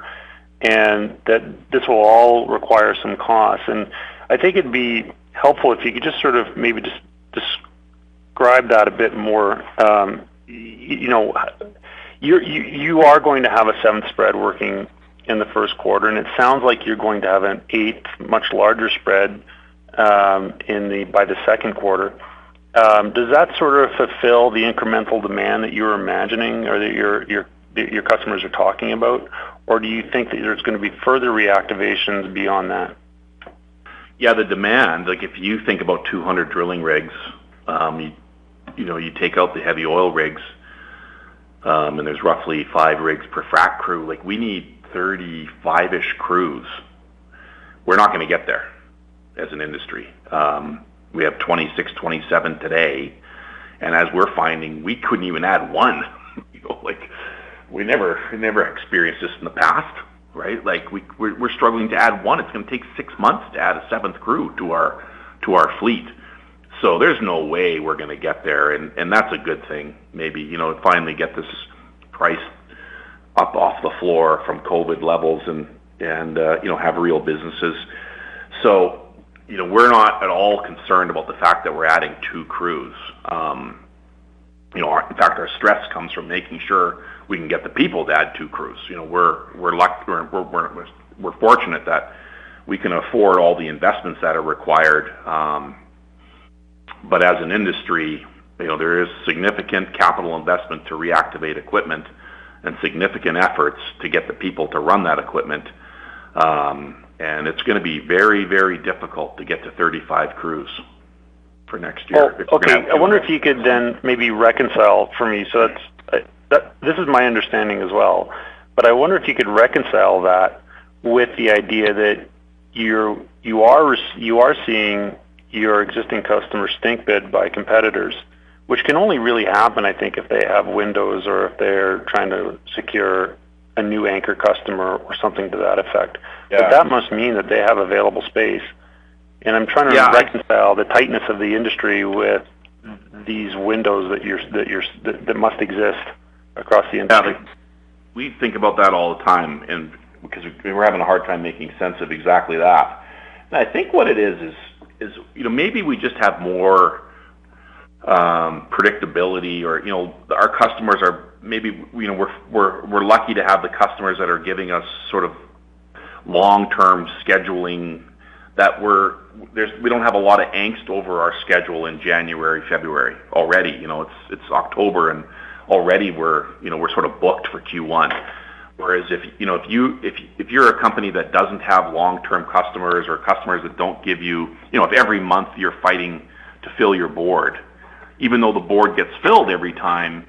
and that this will all require some costs. I think it'd be helpful if you could just sort of maybe describe that a bit more. You know, you are going to have a seventh spread working in the first quarter, and it sounds like you're going to have an eighth much larger spread by the second quarter. Does that sort of fulfill the incremental demand that you're imagining or that your customers are talking about? Or do you think that there's gonna be further reactivations beyond that? Yeah, the demand, like, if you think about 200 drilling rigs, you know, you take out the heavy oil rigs, and there's roughly five rigs per frack crew. Like, we need 35-ish crews. We're not gonna get there as an industry. We have 26, 27 today, and as we're finding, we couldn't even add one. You know, like, we never experienced this in the past, right? Like, we're struggling to add one. It's gonna take six months to add a seventh crew to our fleet. So there's no way we're gonna get there, and that's a good thing, maybe. You know, to finally get this price up off the floor from COVID levels and, you know, have real businesses. So, you know, we're not at all concerned about the fact that we're adding two crews. You know, our stress comes from making sure we can get the people to add two crews. You know, we're fortunate that we can afford all the investments that are required. As an industry, you know, there is significant capital investment to reactivate equipment and significant efforts to get the people to run that equipment. It's gonna be very, very difficult to get to 35 crews for next year if we're gonna- Oh, okay. I wonder if you could then maybe reconcile for me. This is my understanding as well, but I wonder if you could reconcile that with the idea that you are seeing your existing customers stink bid by competitors, which can only really happen, I think, if they have windows or if they're trying to secure a new anchor customer or something to that effect. Yeah. That must mean that they have available space. Yeah. I'm trying to reconcile the tightness of the industry with these windows that must exist across the industry. Yeah. We think about that all the time and because we're having a hard time making sense of exactly that. I think what it is is you know maybe we just have more predictability or you know our customers are maybe you know we're lucky to have the customers that are giving us sort of long-term scheduling. There's we don't have a lot of angst over our schedule in January, February already. You know, it's October, and already we're you know sort of booked for Q1. Whereas if you know if you're a company that doesn't have long-term customers or customers that don't give you you know if every month you're fighting to fill your board, even though the board gets filled every time,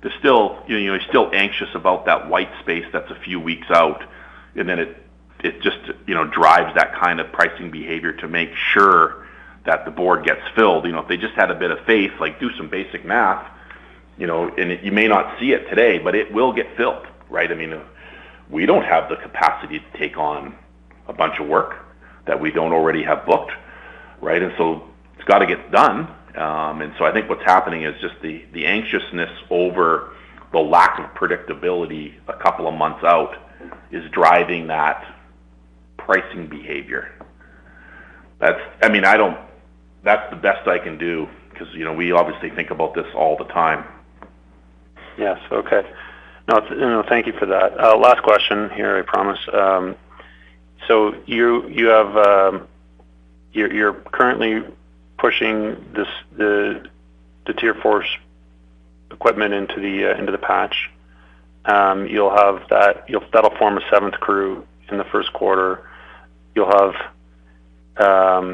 there's still. You know, you're still anxious about that white space that's a few weeks out, and then it just, you know, drives that kind of pricing behavior to make sure that the board gets filled. You know, if they just had a bit of faith, like, do some basic math, you know, and you may not see it today, but it will get filled, right? I mean, we don't have the capacity to take on a bunch of work that we don't already have booked, right? It's got to get done. I think what's happening is just the anxiousness over the lack of predictability a couple of months out is driving that pricing behavior. That's the best I can do because, you know, we obviously think about this all the time. Yes. Okay. No, you know, thank you for that. Last question here, I promise. You have you're currently pushing the Tier 4 equipment into the patch. That'll form a seventh crew in the first quarter. You'll have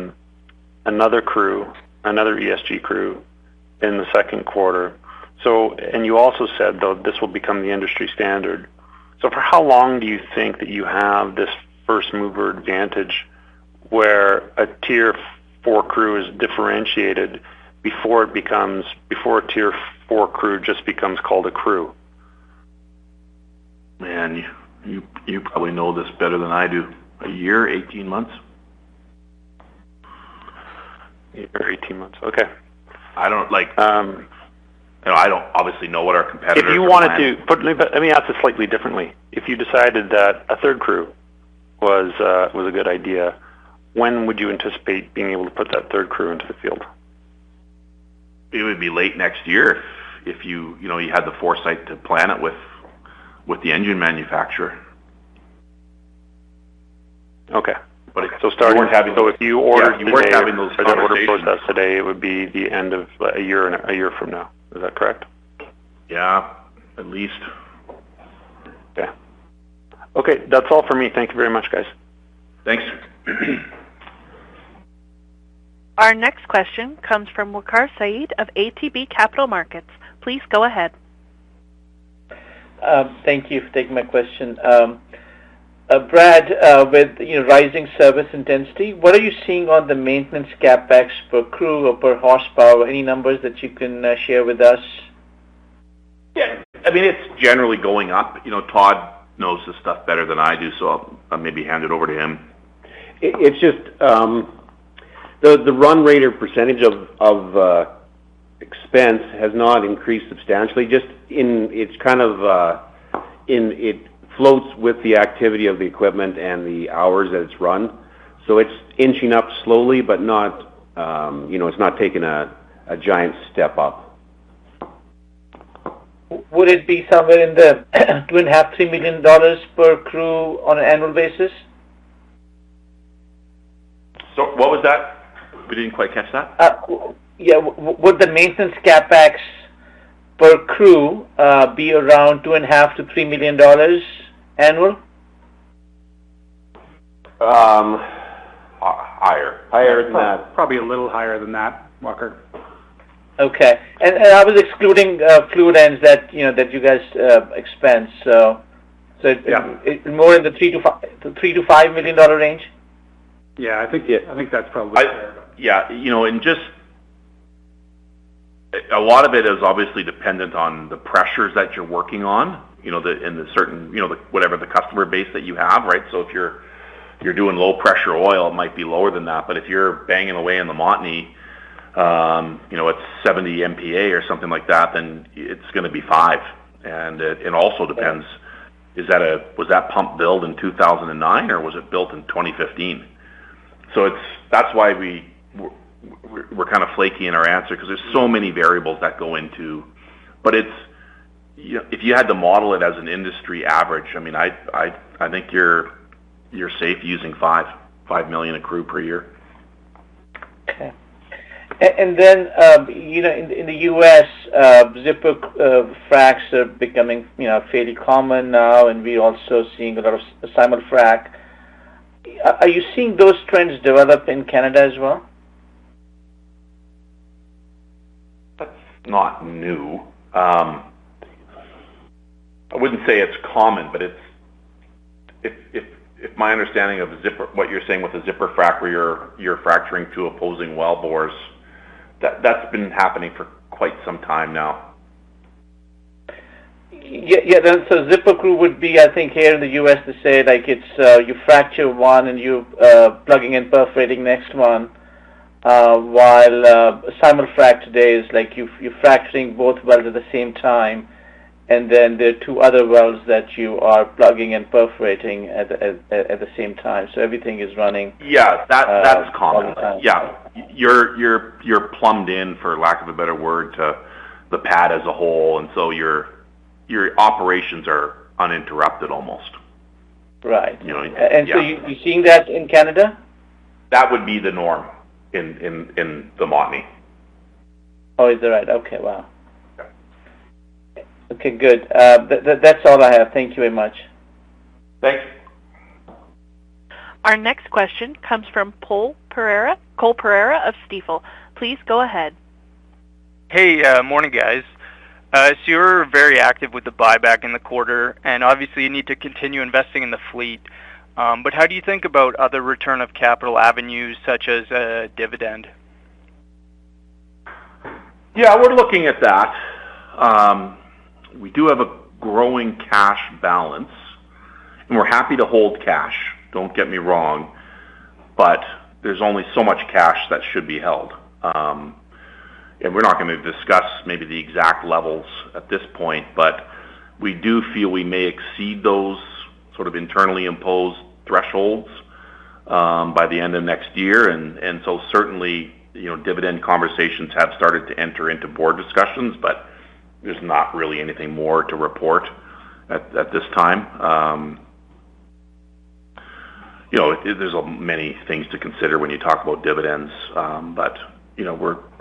another ESG crew in the second quarter. You also said, though, this will become the industry standard. For how long do you think that you have this first mover advantage where a Tier 4 crew is differentiated before a Tier 4 crew just becomes called a crew? Man, you probably know this better than I do. A year, 18 months. Eight or 18 months. Okay. I don't like- Um. You know, I don't obviously know what our competitor is planning. Let me ask it slightly differently. If you decided that a third crew was a good idea, when would you anticipate being able to put that third crew into the field? It would be late next year if you know you had the foresight to plan it with the engine manufacturer. Okay. But if you weren't having- If you ordered today- Yeah, if you weren't having those conversations. As an order process today, it would be the end of a year, a year from now. Is that correct? Yeah, at least. Okay. That's all for me. Thank you very much, guys. Thanks. Our next question comes from Waqar Syed of ATB Capital Markets. Please go ahead. Thank you for taking my question. Brad, with, you know, rising service intensity, what are you seeing on the maintenance CapEx per crew or per horsepower? Any numbers that you can share with us? Yeah. I mean, it's generally going up. You know, Todd knows this stuff better than I do, so I'll maybe hand it over to him. It's just the run rate or percentage of expense has not increased substantially. It's kind of it floats with the activity of the equipment and the hours that it's run. It's inching up slowly, but not, you know, it's not taking a giant step up. Would it be somewhere in the 2.5 million-3 million dollars per crew on an annual basis? What was that? We didn't quite catch that. Yeah. Would the maintenance CapEx per crew be around 2.5 million-3 million dollars annual? Higher. Higher than that. Probably a little higher than that, Waqar. I was excluding fluid ends that, you know, that you guys expense. Yeah. More in the $3 million-$5 million range? Yeah, I think that's probably fair. Yeah. You know, just a lot of it is obviously dependent on the pressures that you're working on, you know, in the certain, you know, whatever the customer base that you have, right? If you're doing low pressure oil, it might be lower than that. If you're banging away in the Montney, you know, at 70 MPa or something like that, then it's gonna be five. It also depends. Was that pump built in 2009 or was it built in 2015? That's why we're kind of flaky in our answer because there's so many variables that go into It's, you know, if you had to model it as an industry average, I mean, I think you're safe using 5 million a crew per year. Okay. You know, in the U.S., zipper fracs are becoming, you know, fairly common now, and we're also seeing a lot of simul-frac. Are you seeing those trends develop in Canada as well? That's not new. I wouldn't say it's common, but if my understanding of the zipper, what you're saying with the zipper frac, where you're fracturing two opposing wellbores, that's been happening for quite some time now. Zipper frac would be, I think, here in the U.S. to say, like, it's you fracture one and you plugging and perforating next one while simul-frac today is like you're fracturing both wells at the same time, and then there are two other wells that you are plugging and perforating at the same time. Everything is running. Yeah. That, that's common. At one time. Yeah. You're plumbed in, for lack of a better word, to the pad as a whole, and so your operations are uninterrupted almost. Right. You know? Yeah. You're seeing that in Canada? That would be the norm in the Montney. Oh, is that right? Okay. Wow. Yeah. Okay, good. That's all I have. Thank you very much. Thanks. Our next question comes from Cole Pereira of Stifel. Please go ahead. Hey. Morning, guys. You're very active with the buyback in the quarter, and obviously you need to continue investing in the fleet. How do you think about other return of capital avenues such as dividend? Yeah, we're looking at that. We do have a growing cash balance, and we're happy to hold cash, don't get me wrong, but there's only so much cash that should be held. We're not gonna discuss maybe the exact levels at this point, but we do feel we may exceed those sort of internally imposed thresholds by the end of next year. Certainly, you know, dividend conversations have started to enter into board discussions, but there's not really anything more to report at this time. You know, there's many things to consider when you talk about dividends. You know,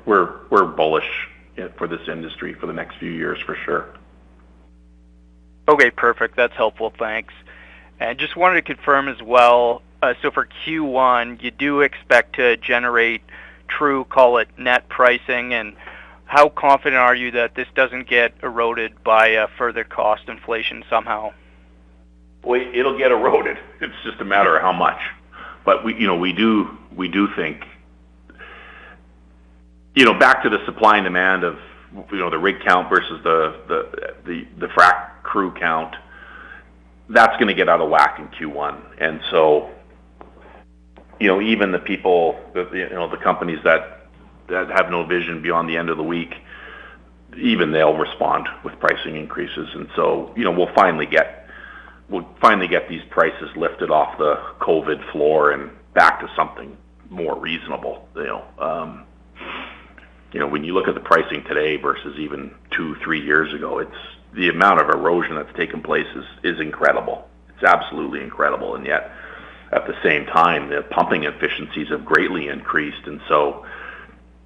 we're bullish for this industry for the next few years for sure. Okay, perfect. That's helpful. Thanks. Just wanted to confirm as well. For Q1, you do expect to generate true, call it net pricing? How confident are you that this doesn't get eroded by further cost inflation somehow? Well, it'll get eroded. It's just a matter of how much. We, you know, we do think. You know, back to the supply and demand of, you know, the rig count versus the frac crew count, that's gonna get out of whack in Q1. You know, even the people, you know, the companies that have no vision beyond the end of the week, even they'll respond with pricing increases. You know, we'll finally get these prices lifted off the COVID floor and back to something more reasonable, you know. You know, when you look at the pricing today versus even two, three years ago, it's the amount of erosion that's taken place is incredible. It's absolutely incredible. Yet, at the same time, the pumping efficiencies have greatly increased.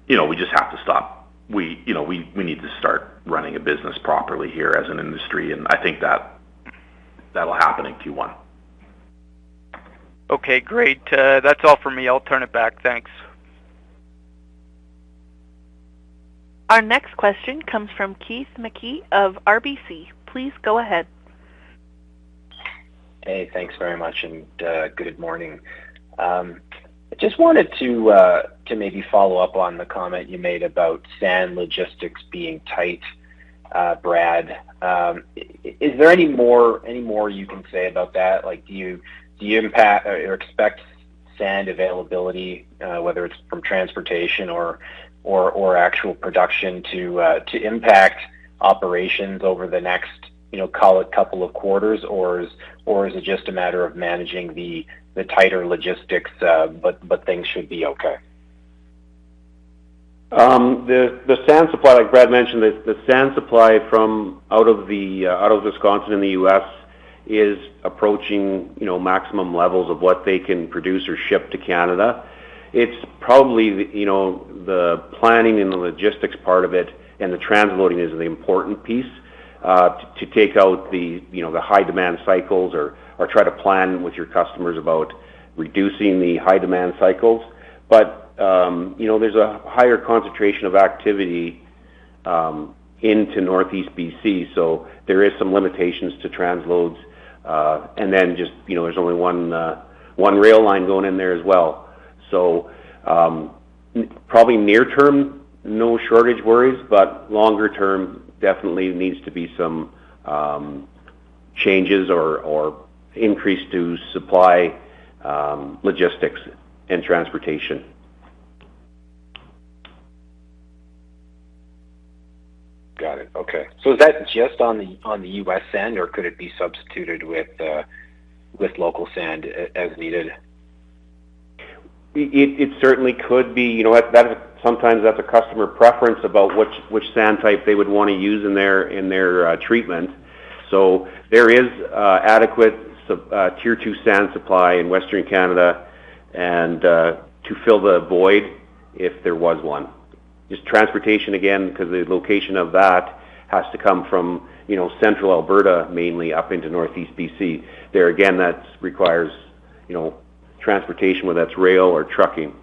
You know, we just have to stop. We, you know, need to start running a business properly here as an industry, and I think that'll happen in Q1. Okay, great. That's all for me. I'll turn it back. Thanks. Our next question comes from Keith Mackey of RBC. Please go ahead. Hey, thanks very much and good morning. I just wanted to maybe follow up on the comment you made about sand logistics being tight, Brad. Is there any more you can say about that? Like, do you expect sand availability, whether it's from transportation or actual production to impact operations over the next, you know, call it couple of quarters, or is it just a matter of managing the tighter logistics, but things should be okay? The sand supply, like Brad mentioned, the sand supply from out of Wisconsin in the U.S. is approaching, you know, maximum levels of what they can produce or ship to Canada. It's probably, you know, the planning and the logistics part of it, and the transloading is the important piece to take out the, you know, the high demand cycles or try to plan with your customers about reducing the high demand cycles. But you know, there's a higher concentration of activity into Northeast BC, so there is some limitations to transloads. Just, you know, there's only one rail line going in there as well. Probably near term, no shortage worries, but longer term, definitely needs to be some changes or increase to supply, logistics and transportation. Got it. Okay. Is that just on the U.S. end, or could it be substituted with local sand as needed? It certainly could be. You know what? That is sometimes that's a customer preference about which sand type they would wanna use in their treatment. There is adequate Tier 2 sand supply in Western Canada and to fill the void if there was one. It's transportation again, because the location of that has to come from, you know, central Alberta, mainly up into Northeast B.C. There again, that requires, you know, transportation, whether that's rail or trucking.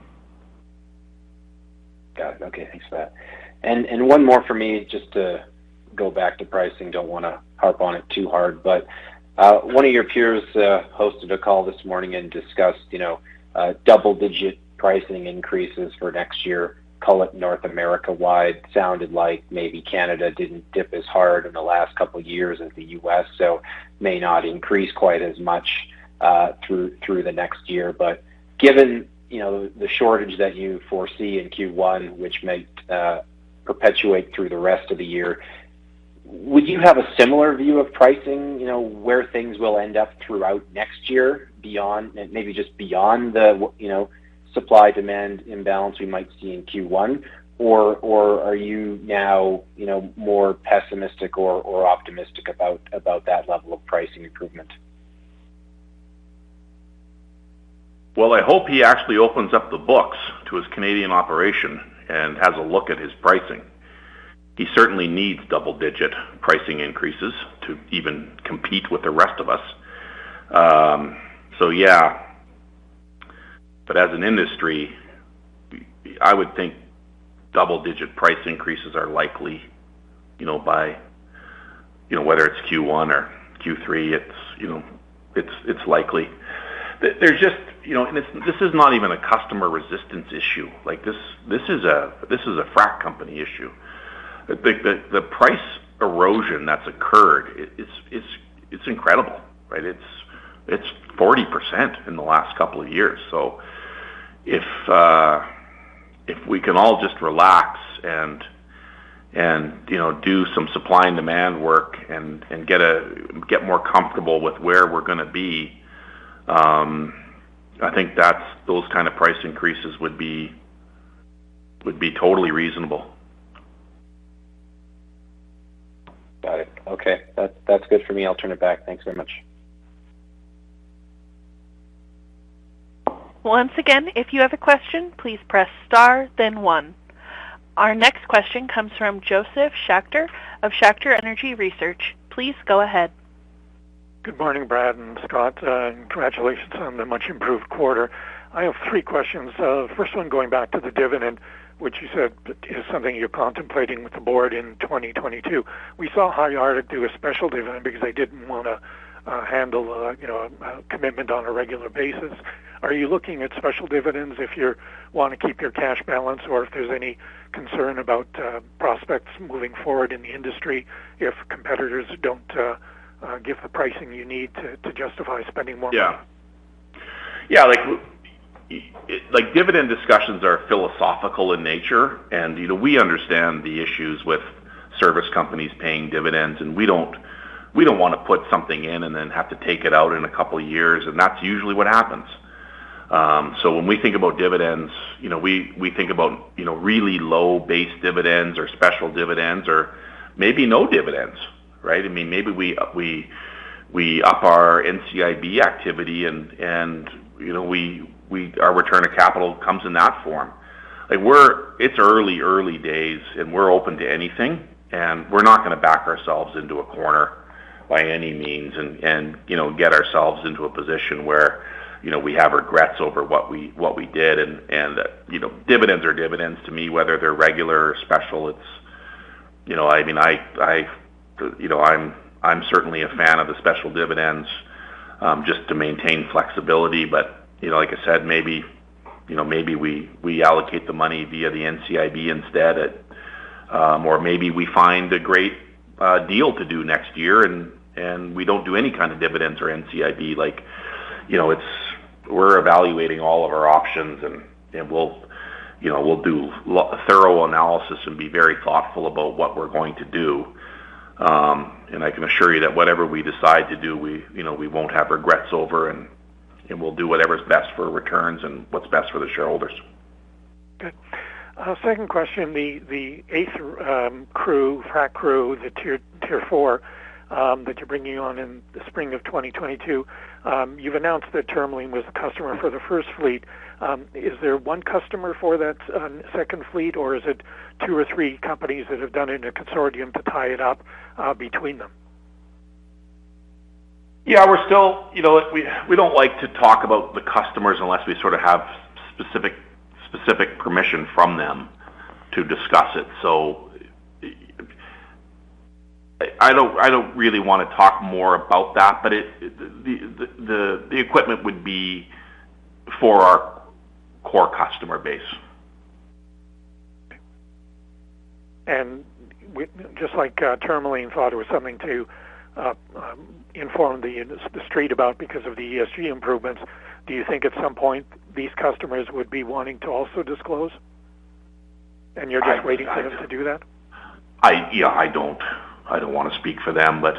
Got it. Okay. Thanks for that. One more for me, just to go back to pricing. Don't wanna harp on it too hard, but one of your peers hosted a call this morning and discussed, you know, double-digit pricing increases for next year. Call it North America-wide. Sounded like maybe Canada didn't dip as hard in the last couple of years as the U.S., so may not increase quite as much through the next year. Given, you know, the shortage that you foresee in Q1, which might perpetuate through the rest of the year, would you have a similar view of pricing, you know, where things will end up throughout next year beyond, maybe just beyond the you know, supply-demand imbalance we might see in Q1? Are you now, you know, more pessimistic or optimistic about that level of pricing improvement? Well, I hope he actually opens up the books to his Canadian operation and has a look at his pricing. He certainly needs double-digit pricing increases to even compete with the rest of us. As an industry, I would think double-digit price increases are likely, you know, by, you know, whether it's Q1 or Q3. It's likely. There's just you know, it's not even a customer resistance issue. Like, this is a frac company issue. The price erosion that's occurred, it's incredible, right? It's 40% in the last couple of years. If we can all just relax and you know do some supply and demand work and get more comfortable with where we're gonna be, I think those kind of price increases would be totally reasonable. Got it. Okay. That's good for me. I'll turn it back. Thanks very much. Once again, if you have a question, please press star then one. Our next question comes from Josef Schachter of Schachter Energy Research. Please go ahead. Good morning, Brad and Scott. Congratulations on the much improved quarter. I have three questions. First one going back to the dividend, which you said is something you're contemplating with the board in 2022. We saw how you had to do a special dividend because they didn't wanna handle, you know, a commitment on a regular basis. Are you looking at special dividends if you wanna keep your cash balance or if there's any concern about prospects moving forward in the industry if competitors don't give the pricing you need to justify spending more money? Yeah, like, dividend discussions are philosophical in nature, and, you know, we understand the issues with service companies paying dividends, and we don't wanna put something in and then have to take it out in a couple of years, and that's usually what happens. When we think about dividends, you know, we think about, you know, really low base dividends or special dividends or maybe no dividends, right? I mean, maybe we up our NCIB activity and, you know, our return of capital comes in that form. Like, it's early days, and we're open to anything, and we're not gonna back ourselves into a corner by any means and, you know, get ourselves into a position where, you know, we have regrets over what we did. You know, dividends are dividends to me, whether they're regular or special. It's, you know, I mean, you know, I'm certainly a fan of the special dividends just to maintain flexibility. You know, like I said, maybe you know, maybe we allocate the money via the NCIB instead. Or maybe we find a great deal to do next year, and we don't do any kind of dividends or NCIB. Like, you know, we're evaluating all of our options, and we'll, you know, we'll do a thorough analysis and be very thoughtful about what we're going to do. I can assure you that whatever we decide to do, you know, we won't have regrets over, and we'll do whatever is best for returns and what's best for the shareholders. Good. Second question, the eighth crew, frac crew, the Tier 4 that you're bringing on in the spring of 2022, you've announced that Tourmaline was a customer for the first fleet. Is there one customer for that second fleet, or is it two or three companies that have done it in a consortium to tie it up between them? Yeah, we're still. You know, we don't like to talk about the customers unless we sort of have specific permission from them to discuss it. I don't really wanna talk more about that, but it, the equipment would be for our core customer base. Just like Tourmaline thought it was something to inform the street about because of the ESG improvements, do you think at some point these customers would be wanting to also disclose, and you're just waiting for them to do that? Yeah, I don't wanna speak for them, but.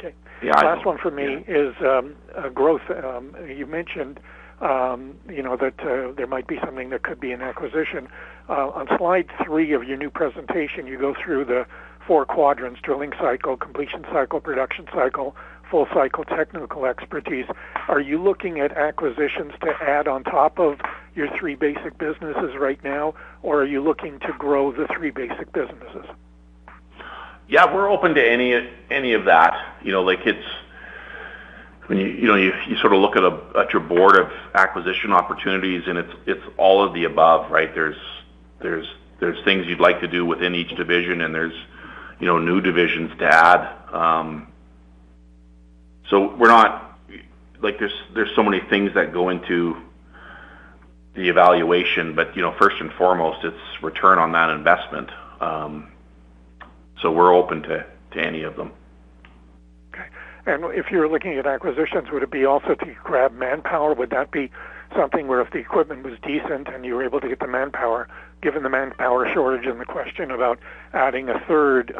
Okay. Yeah. Last one for me is growth. You mentioned, you know, that there might be something that could be an acquisition. On slide three of your new presentation, you go through the four quadrants, drilling cycle, completion cycle, production cycle, full cycle technical expertise. Are you looking at acquisitions to add on top of your three basic businesses right now, or are you looking to grow the three basic businesses? Yeah, we're open to any of that. You know, like it's. I mean, you know, you sort of look at your board of acquisition opportunities, and it's all of the above, right? There's things you'd like to do within each division, and there's, you know, new divisions to add. So we're not. Like, there's so many things that go into the evaluation, but, you know, first and foremost, it's return on that investment. So we're open to any of them. Okay. If you're looking at acquisitions, would it be also to grab manpower? Would that be something where if the equipment was decent and you were able to get the manpower, given the manpower shortage and the question about adding a third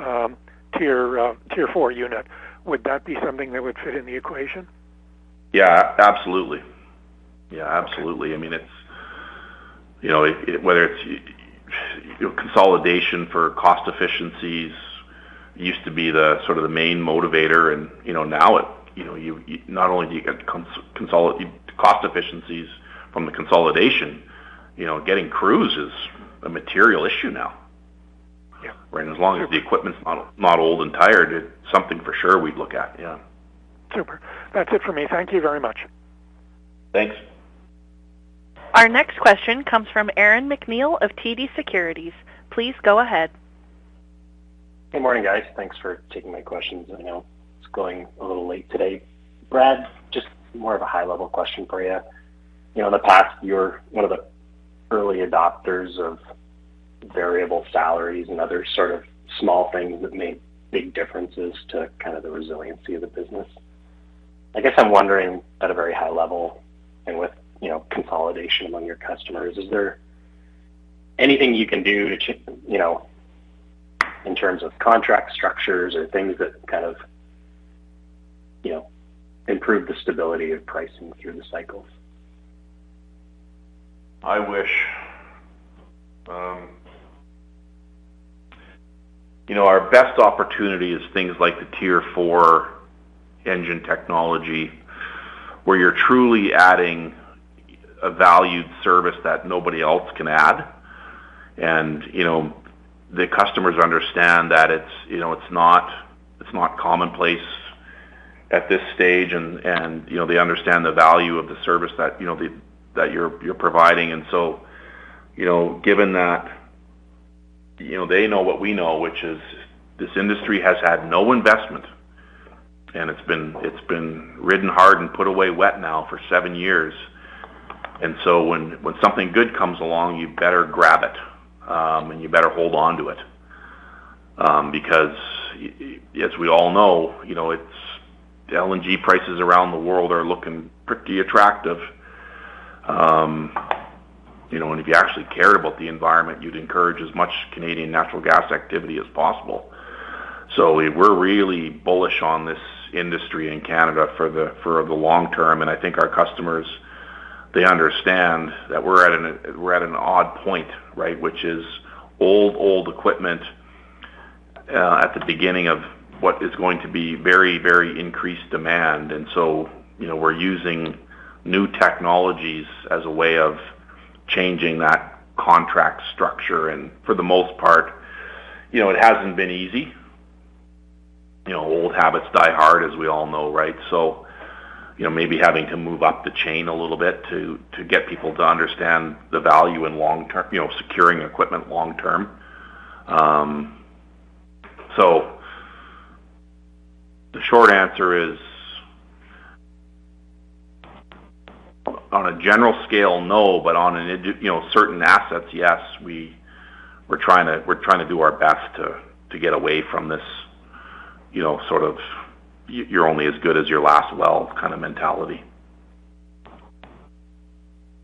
Tier 4 unit, would that be something that would fit in the equation? Yeah, absolutely. I mean, it's, you know, whether it's, you know, consolidation for cost efficiencies used to be the sort of main motivator and, you know, now it, you know, you not only do you get cost efficiencies from the consolidation, you know, getting crews is a material issue now. Yeah. Right? As long as the equipment's not old and tired, it's something for sure we'd look at. Yeah. Super. That's it for me. Thank you very much. Thanks. Our next question comes from Aaron MacNeil of TD Securities. Please go ahead. Good morning, guys. Thanks for taking my questions. I know it's going a little late today. Brad, just more of a high-level question for you. You know, in the past, you're one of the early adopters of variable salaries and other sort of small things that make big differences to kind of the resiliency of the business. I guess I'm wondering, at a very high level and with, you know, consolidation among your customers, is there anything you can do to, you know, in terms of contract structures or things that kind of, you know, improve the stability of pricing through the cycles? I wish. You know, our best opportunity is things like the Tier 4 engine technology, where you're truly adding a valued service that nobody else can add. You know, the customers understand that it's not commonplace at this stage, and you know, they understand the value of the service that you're providing. You know, given that, you know, they know what we know, which is this industry has had no investment, and it's been ridden hard and put away wet now for seven years. When something good comes along, you better grab it, and you better hold on to it. Because yes, we all know, you know, it's LNG prices around the world are looking pretty attractive, you know, and if you actually cared about the environment, you'd encourage as much Canadian natural gas activity as possible. We're really bullish on this industry in Canada for the long term. I think our customers, they understand that we're at an odd point, right? Which is old equipment at the beginning of what is going to be very increased demand. You know, we're using new technologies as a way of changing that contract structure. For the most part, you know, it hasn't been easy. You know, old habits die hard, as we all know, right? You know, maybe having to move up the chain a little bit to get people to understand the value in long term, you know, securing equipment long term. The short answer is, on a general scale, no, but on, you know, certain assets, yes. We're trying to do our best to get away from this, you know, sort of you're only as good as your last well kind of mentality.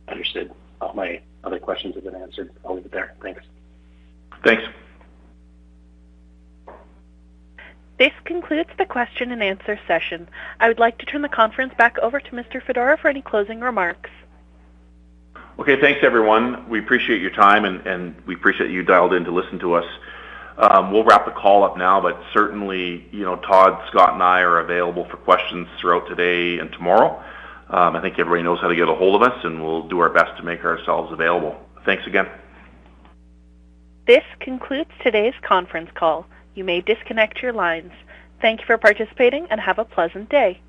Understood. All my other questions have been answered. I'll leave it there. Thanks. Thanks. This concludes the question and answer session. I would like to turn the conference back over to Mr. Fedora for any closing remarks. Okay. Thanks, everyone. We appreciate your time, and we appreciate you dialed in to listen to us. We'll wrap the call up now, but certainly, you know, Todd, Scott, and I are available for questions throughout today and tomorrow. I think everybody knows how to get a hold of us, and we'll do our best to make ourselves available. Thanks again. This concludes today's conference call. You may disconnect your lines. Thank you for participating and have a pleasant day.